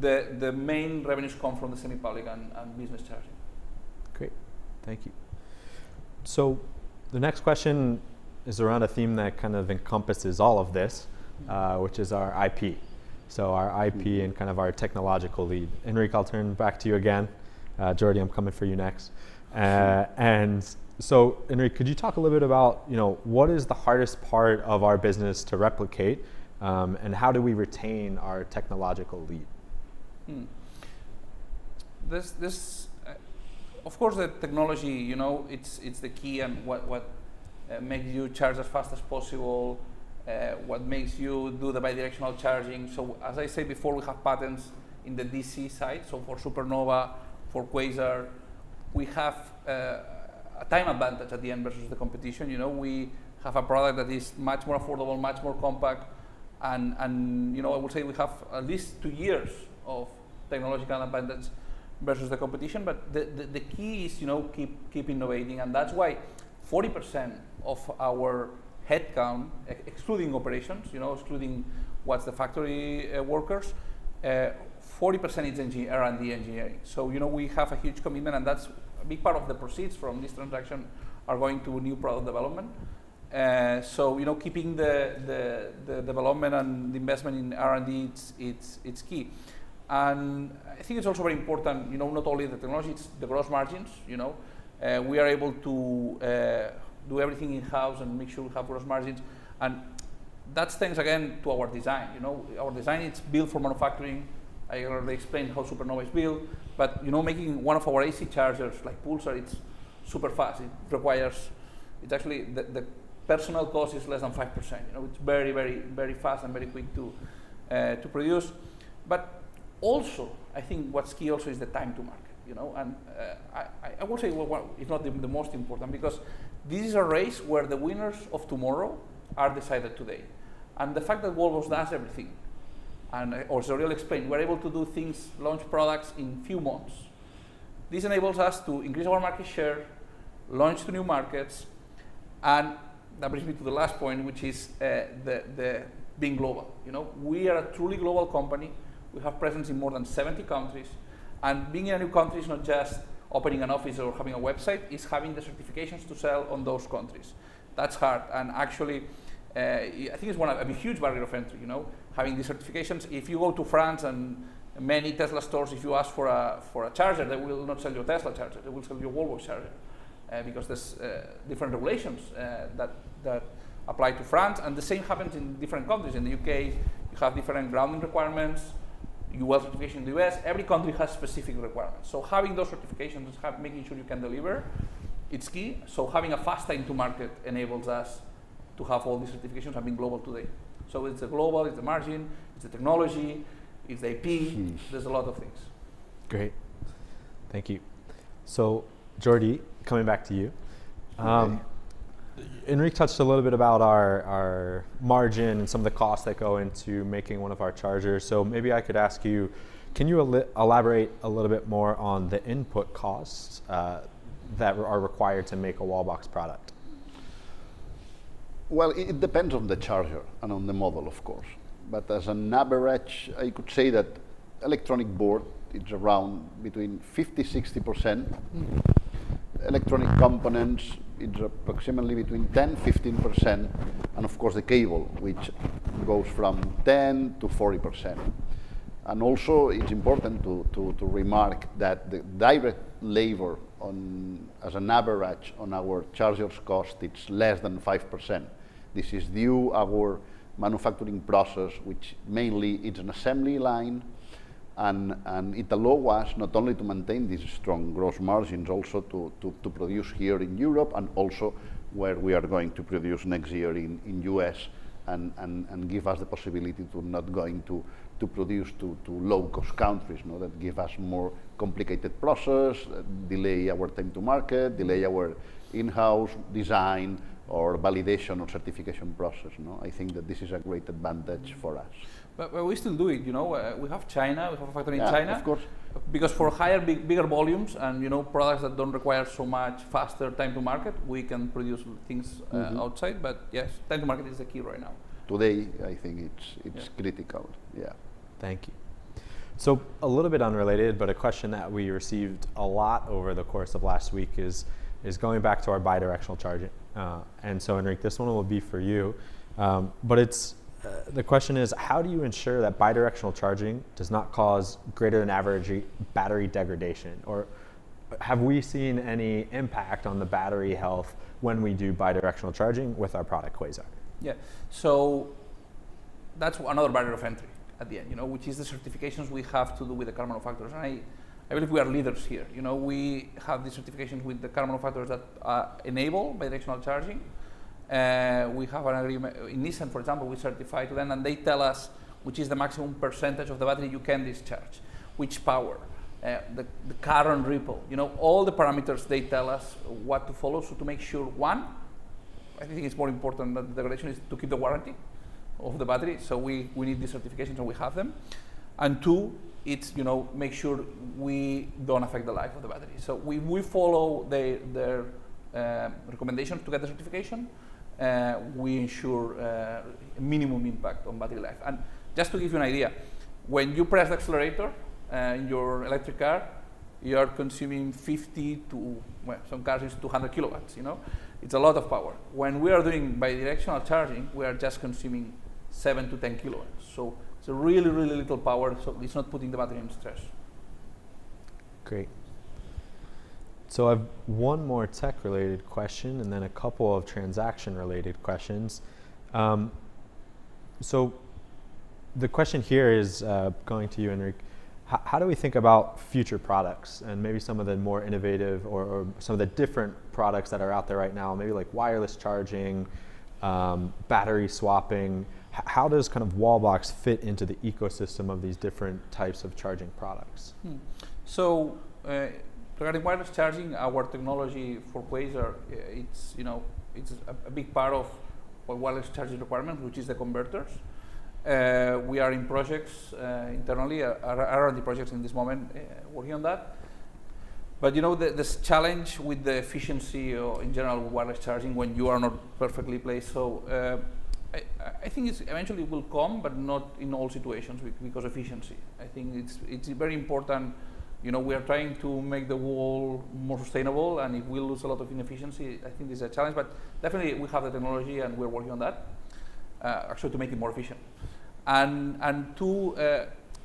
The main revenues come from the semi-public and business charging. Great. Thank you. The next question is around a theme that kind of encompasses all of this- which is our IP, so our IP and kind of our technological lead. Enric, I'll turn back to you again. Jordi, I'm coming for you next. Sure. Enric, could you talk a little bit about what is the hardest part of our business to replicate, and how do we retain our technological lead? Of course, the technology, it's the key and what makes you charge as fast as possible, what makes you do the bidirectional charging. As I said before, we have patents in the DC side, for Supernova, for Quasar. We have a time advantage at the end versus the competition. We have a product that is much more affordable, much more compact, and I would say we have at least two years of technological advantage versus the competition. The key is keep innovating, and that's why 40% of our headcount, excluding operations, excluding what's the factory workers, 40% is R&D engineering. We have a huge commitment, and a big part of the proceeds from this transaction are going to new product development. Keeping the development and the investment in R&D, it's key. I think it's also very important, not only the technology, it's the gross margins. We are able to do everything in-house and make sure we have gross margins. That stems again to our design. Our design, it's built for manufacturing. I already explained how Supernova is built, but making one of our AC chargers, like Pulsar, it's super fast. Actually, the personal cost is less than 5%. It's very fast and very quick to produce. Also, I think what's key also is the time to market. I would say it's not even the most important, because this is a race where the winners of tomorrow are decided today. The fact that Wallbox does everything, or [Xavier] will explain, we're able to do things, launch products in few months. This enables us to increase our market share, launch to new markets. That brings me to the last point, which is being global. We are a truly global company. We have presence in more than 70 countries. Being in a new country is not just opening an office or having a website, it's having the certifications to sell on those countries. That's hard. Actually, I think it's a huge barrier of entry, having these certifications. If you go to France, and many Tesla stores, if you ask for a charger, they will not sell you a Tesla charger. They will sell you a Wallbox charger because there's different regulations that apply to France. The same happens in different countries. In the U.K., you have different grounding requirements, U.S. certification in the U.S. Every country has specific requirements. Having those certifications, making sure you can deliver, it's key. Having a fast time to market enables us to have all these certifications and being global today. It's the global, it's the margin, it's the technology, it's IP. Geez. There's a lot of things. Great. Thank you. Jordi, coming back to you. Okay. Enric touched a little bit about our margin and some of the costs that go into making one of our chargers. Maybe I could ask you, can you elaborate a little bit more on the input costs that are required to make a Wallbox product? Well, it depends on the charger and on the model, of course. As an average, I could say that electronic board, it's around between 50%-60%. Electronic components, it's approximately between 10%-15%, and of course, the cable, which goes from 10%-40%. Also, it's important to remark that the direct labor, as an average on our chargers' cost, it's less than 5%. This is due our manufacturing process, which mainly it's an assembly line, and it allow us not only to maintain these strong gross margins, also to produce here in Europe and also where we are going to produce next year in U.S., and give us the possibility to not going to produce to low-cost countries, that give us more complicated process, delay our time to market, delay our in-house design or validation or certification process. I think that this is a great advantage for us. We still do it. We have China. We have a factory in China. Yeah. Of course. For higher, bigger volumes and products that don't require so much faster time to market, we can produce things. outside. Yes, time to market is the key right now. Today, I think it's critical. Yeah. Yeah. Thank you. A little bit unrelated, a question that we received a lot over the course of last week is going back to our bidirectional charging. Enric, this one will be for you. The question is, how do you ensure that bidirectional charging does not cause greater than average battery degradation? Or have we seen any impact on the battery health when we do bidirectional charging with our product, Quasar? Yeah. That's another barrier of entry at the end, which is the certifications we have to do with the car manufacturers. I believe we are leaders here. We have the certifications with the car manufacturers that enable bidirectional charging. In Nissan, for example, we certified to them, and they tell us which is the maximum percentage of the battery you can discharge, which power, the current ripple. All the parameters they tell us what to follow, so to make sure, one, I think it's more important than degradation, is to keep the warranty of the battery. We need the certifications, and we have them. Two, it's make sure we don't affect the life of the battery. We follow their recommendation to get the certification. We ensure minimum impact on battery life. Just to give you an idea, when you press accelerator in your electric car, you are consuming 50 to, well, some cars it's 200 kW. It's a lot of power. When we are doing bidirectional charging, we are just consuming 7 to 10 kW. It's a really, really little power. It's not putting the battery under stress. Great. I've one more tech-related question, and then a couple of transaction-related questions. The question here is going to you, Enric. How do we think about future products and maybe some of the more innovative or some of the different products that are out there right now, maybe like wireless charging, battery swapping? How does Wallbox fit into the ecosystem of these different types of charging products? Regarding wireless charging, our technology for Quasar, it's a big part of a wireless charging requirement, which is the converters. We are in projects internally, R&D projects in this moment, working on that. The challenge with the efficiency or in general wireless charging when you are not perfectly placed. I think it eventually will come, but not in all situations because efficiency. I think it's very important. We are trying to make Wallbox more sustainable, and if we lose a lot of efficiency, I think it's a challenge. Definitely, we have the technology, and we're working on that, actually, to make it more efficient. Two,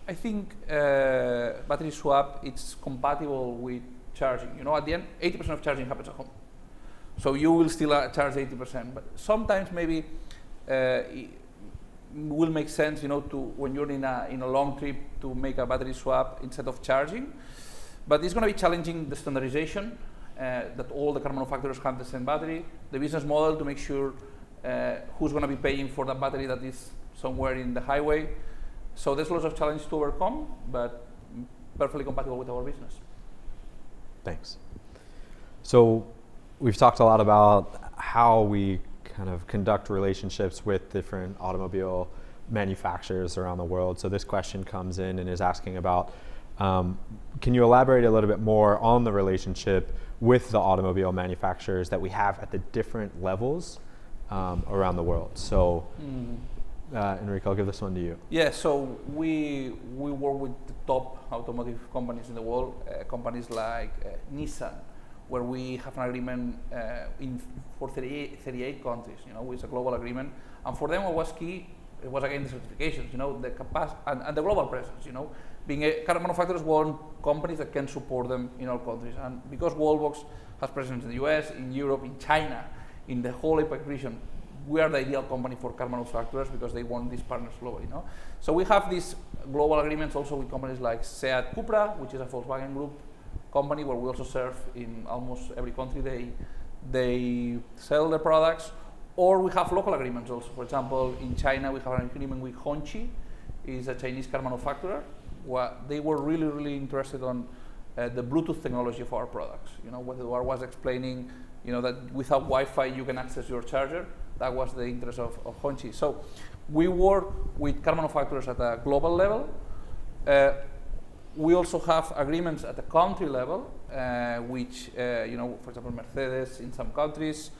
I think battery swap, it's compatible with charging. At the end, 80% of charging happens at home. You will still charge 80%, but sometimes maybe it will make sense when you're in a long trip to make a battery swap instead of charging. It's going to be challenging, the standardization, that all the car manufacturers have the same battery, the business model to make sure who's going to be paying for the battery that is somewhere in the highway. There's lots of challenge to overcome, but perfectly compatible with our business. Thanks. We've talked a lot about how we conduct relationships with different automobile manufacturers around the world. This question comes in and is asking about, can you elaborate a little bit more on the relationship with the automobile manufacturers that we have at the different levels around the world? Enric, I'll give this one to you. We work with the top automotive companies in the world. Companies like Nissan, where we have an agreement for 38 countries. It is a global agreement. For them, what was key, it was, again, the certifications, and the global presence. Being a car manufacturer want companies that can support them in all countries. Because Wallbox has presence in the U.S., in Europe, in China, in the whole APAC region, we are the ideal company for car manufacturers because they want this partner globally. We have these global agreements also with companies like SEAT, CUPRA, which is a Volkswagen group company where we also serve in almost every country they sell their products, or we have local agreements also. For example, in China, we have an agreement with Hongqi, is a Chinese car manufacturer. They were really interested in the Bluetooth technology for our products. When [Eduard] was explaining that without Wi-Fi you can access your charger, that was the interest of Hongqi. We work with car manufacturers at a global level. We also have agreements at the country level, which, for example, Mercedes in some countries.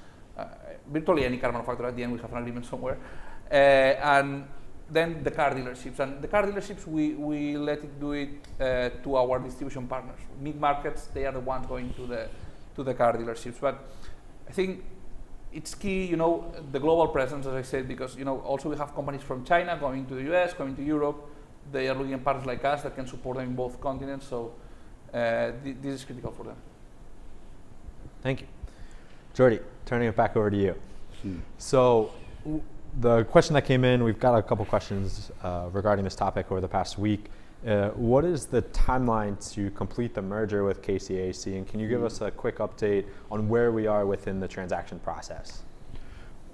Virtually any car manufacturer at the end, we have an agreement somewhere. The car dealerships. The car dealerships, we let it do it to our distribution partners. Mid markets, they are the ones going to the car dealerships. I think it's key, the global presence, as I said, because also we have companies from China going to the U.S., coming to Europe. They are looking at partners like us that can support them in both continents. This is critical for them. Thank you. Jordi, turning it back over to you. The question that came in, we've got a couple questions regarding this topic over the past week. What is the timeline to complete the merger with KCAC, and can you give us a quick update on where we are within the transaction process?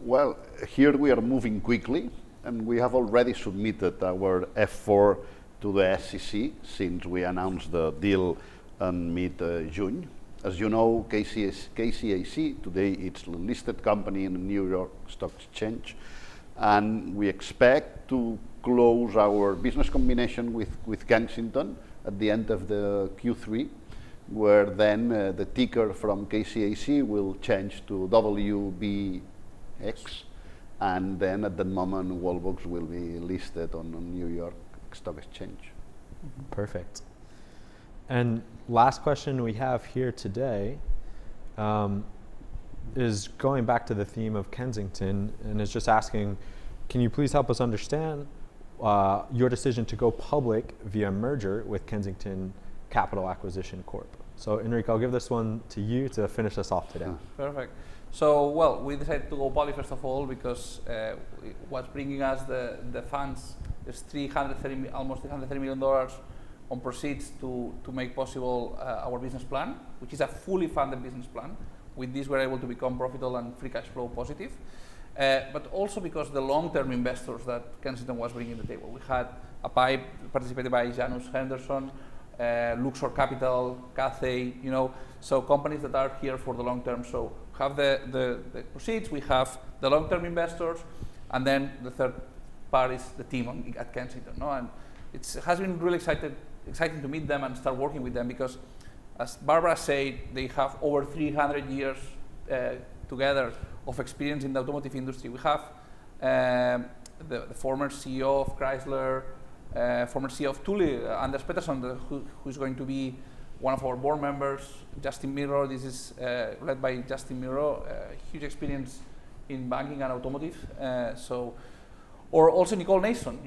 Well, here we are moving quickly. We have already submitted our F-4 to the SEC since we announced the deal mid-June. As you know, KCAC today, it's a listed company in the New York Stock Exchange. We expect to close our business combination with Kensington at the end of the Q3, where then the ticker from KCAC will change to WBX. At the moment, Wallbox will be listed on the New York Stock Exchange. Perfect. Last question we have here today is going back to the theme of Kensington and is just asking, can you please help us understand your decision to go public via merger with Kensington Capital Acquisition Corp? Enric, I'll give this one to you to finish us off today. Perfect. Well, we decided to go public, first of all, because what's bringing us the funds is almost $330 million on proceeds to make possible our business plan, which is a fully funded business plan. With this, we're able to become profitable and free cash flow positive. Also because the long-term investors that Kensington was bringing to the table. We had a PIPE participated by Janus Henderson, Luxor Capital, Cathay. Companies that are here for the long term. Have the proceeds, we have the long-term investors, and then the third part is the team at Kensington. It has been really exciting to meet them and start working with them because as Barbara said, they have over 300 years together of experience in the automotive industry. We have the former CEO of Chrysler, former CEO of Thule, Anders Pettersson, who's going to be one of our board members. Justin Mirro, this is led by Justin Mirro. Huge experience in banking and automotive. Also Nicole Nason,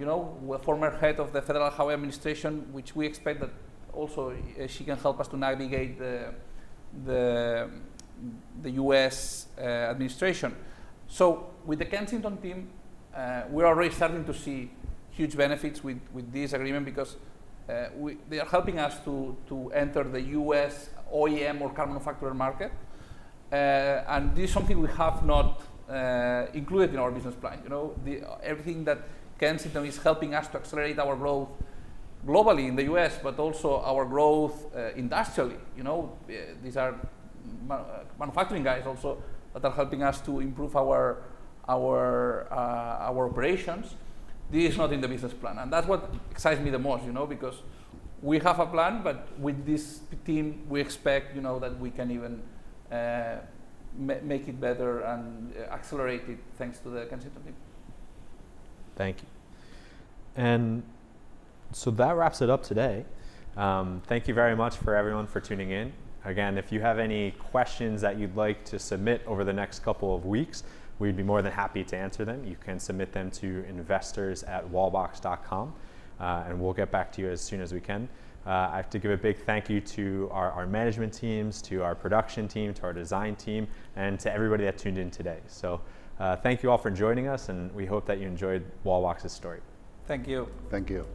former head of the Federal Highway Administration, which we expect that also she can help us to navigate the U.S. administration. With the Kensington team, we're already starting to see huge benefits with this agreement because they are helping us to enter the U.S. OEM or car manufacturer market. This is something we have not included in our business plan. Everything that Kensington is helping us to accelerate our growth globally in the U.S., but also our growth industrially. These are manufacturing guys also that are helping us to improve our operations. This is not in the business plan. That's what excites me the most, because we have a plan, but with this team, we expect that we can even make it better and accelerate it thanks to the Kensington team. Thank you. That wraps it up today. Thank you very much for everyone for tuning in. Again, if you have any questions that you'd like to submit over the next couple of weeks, we'd be more than happy to answer them. You can submit them to investors@wallbox.com, and we'll get back to you as soon as we can. I have to give a big thank you to our management teams, to our production team, to our design team, and to everybody that tuned in today. Thank you all for joining us, and we hope that you enjoyed Wallbox's story. Thank you. Thank you.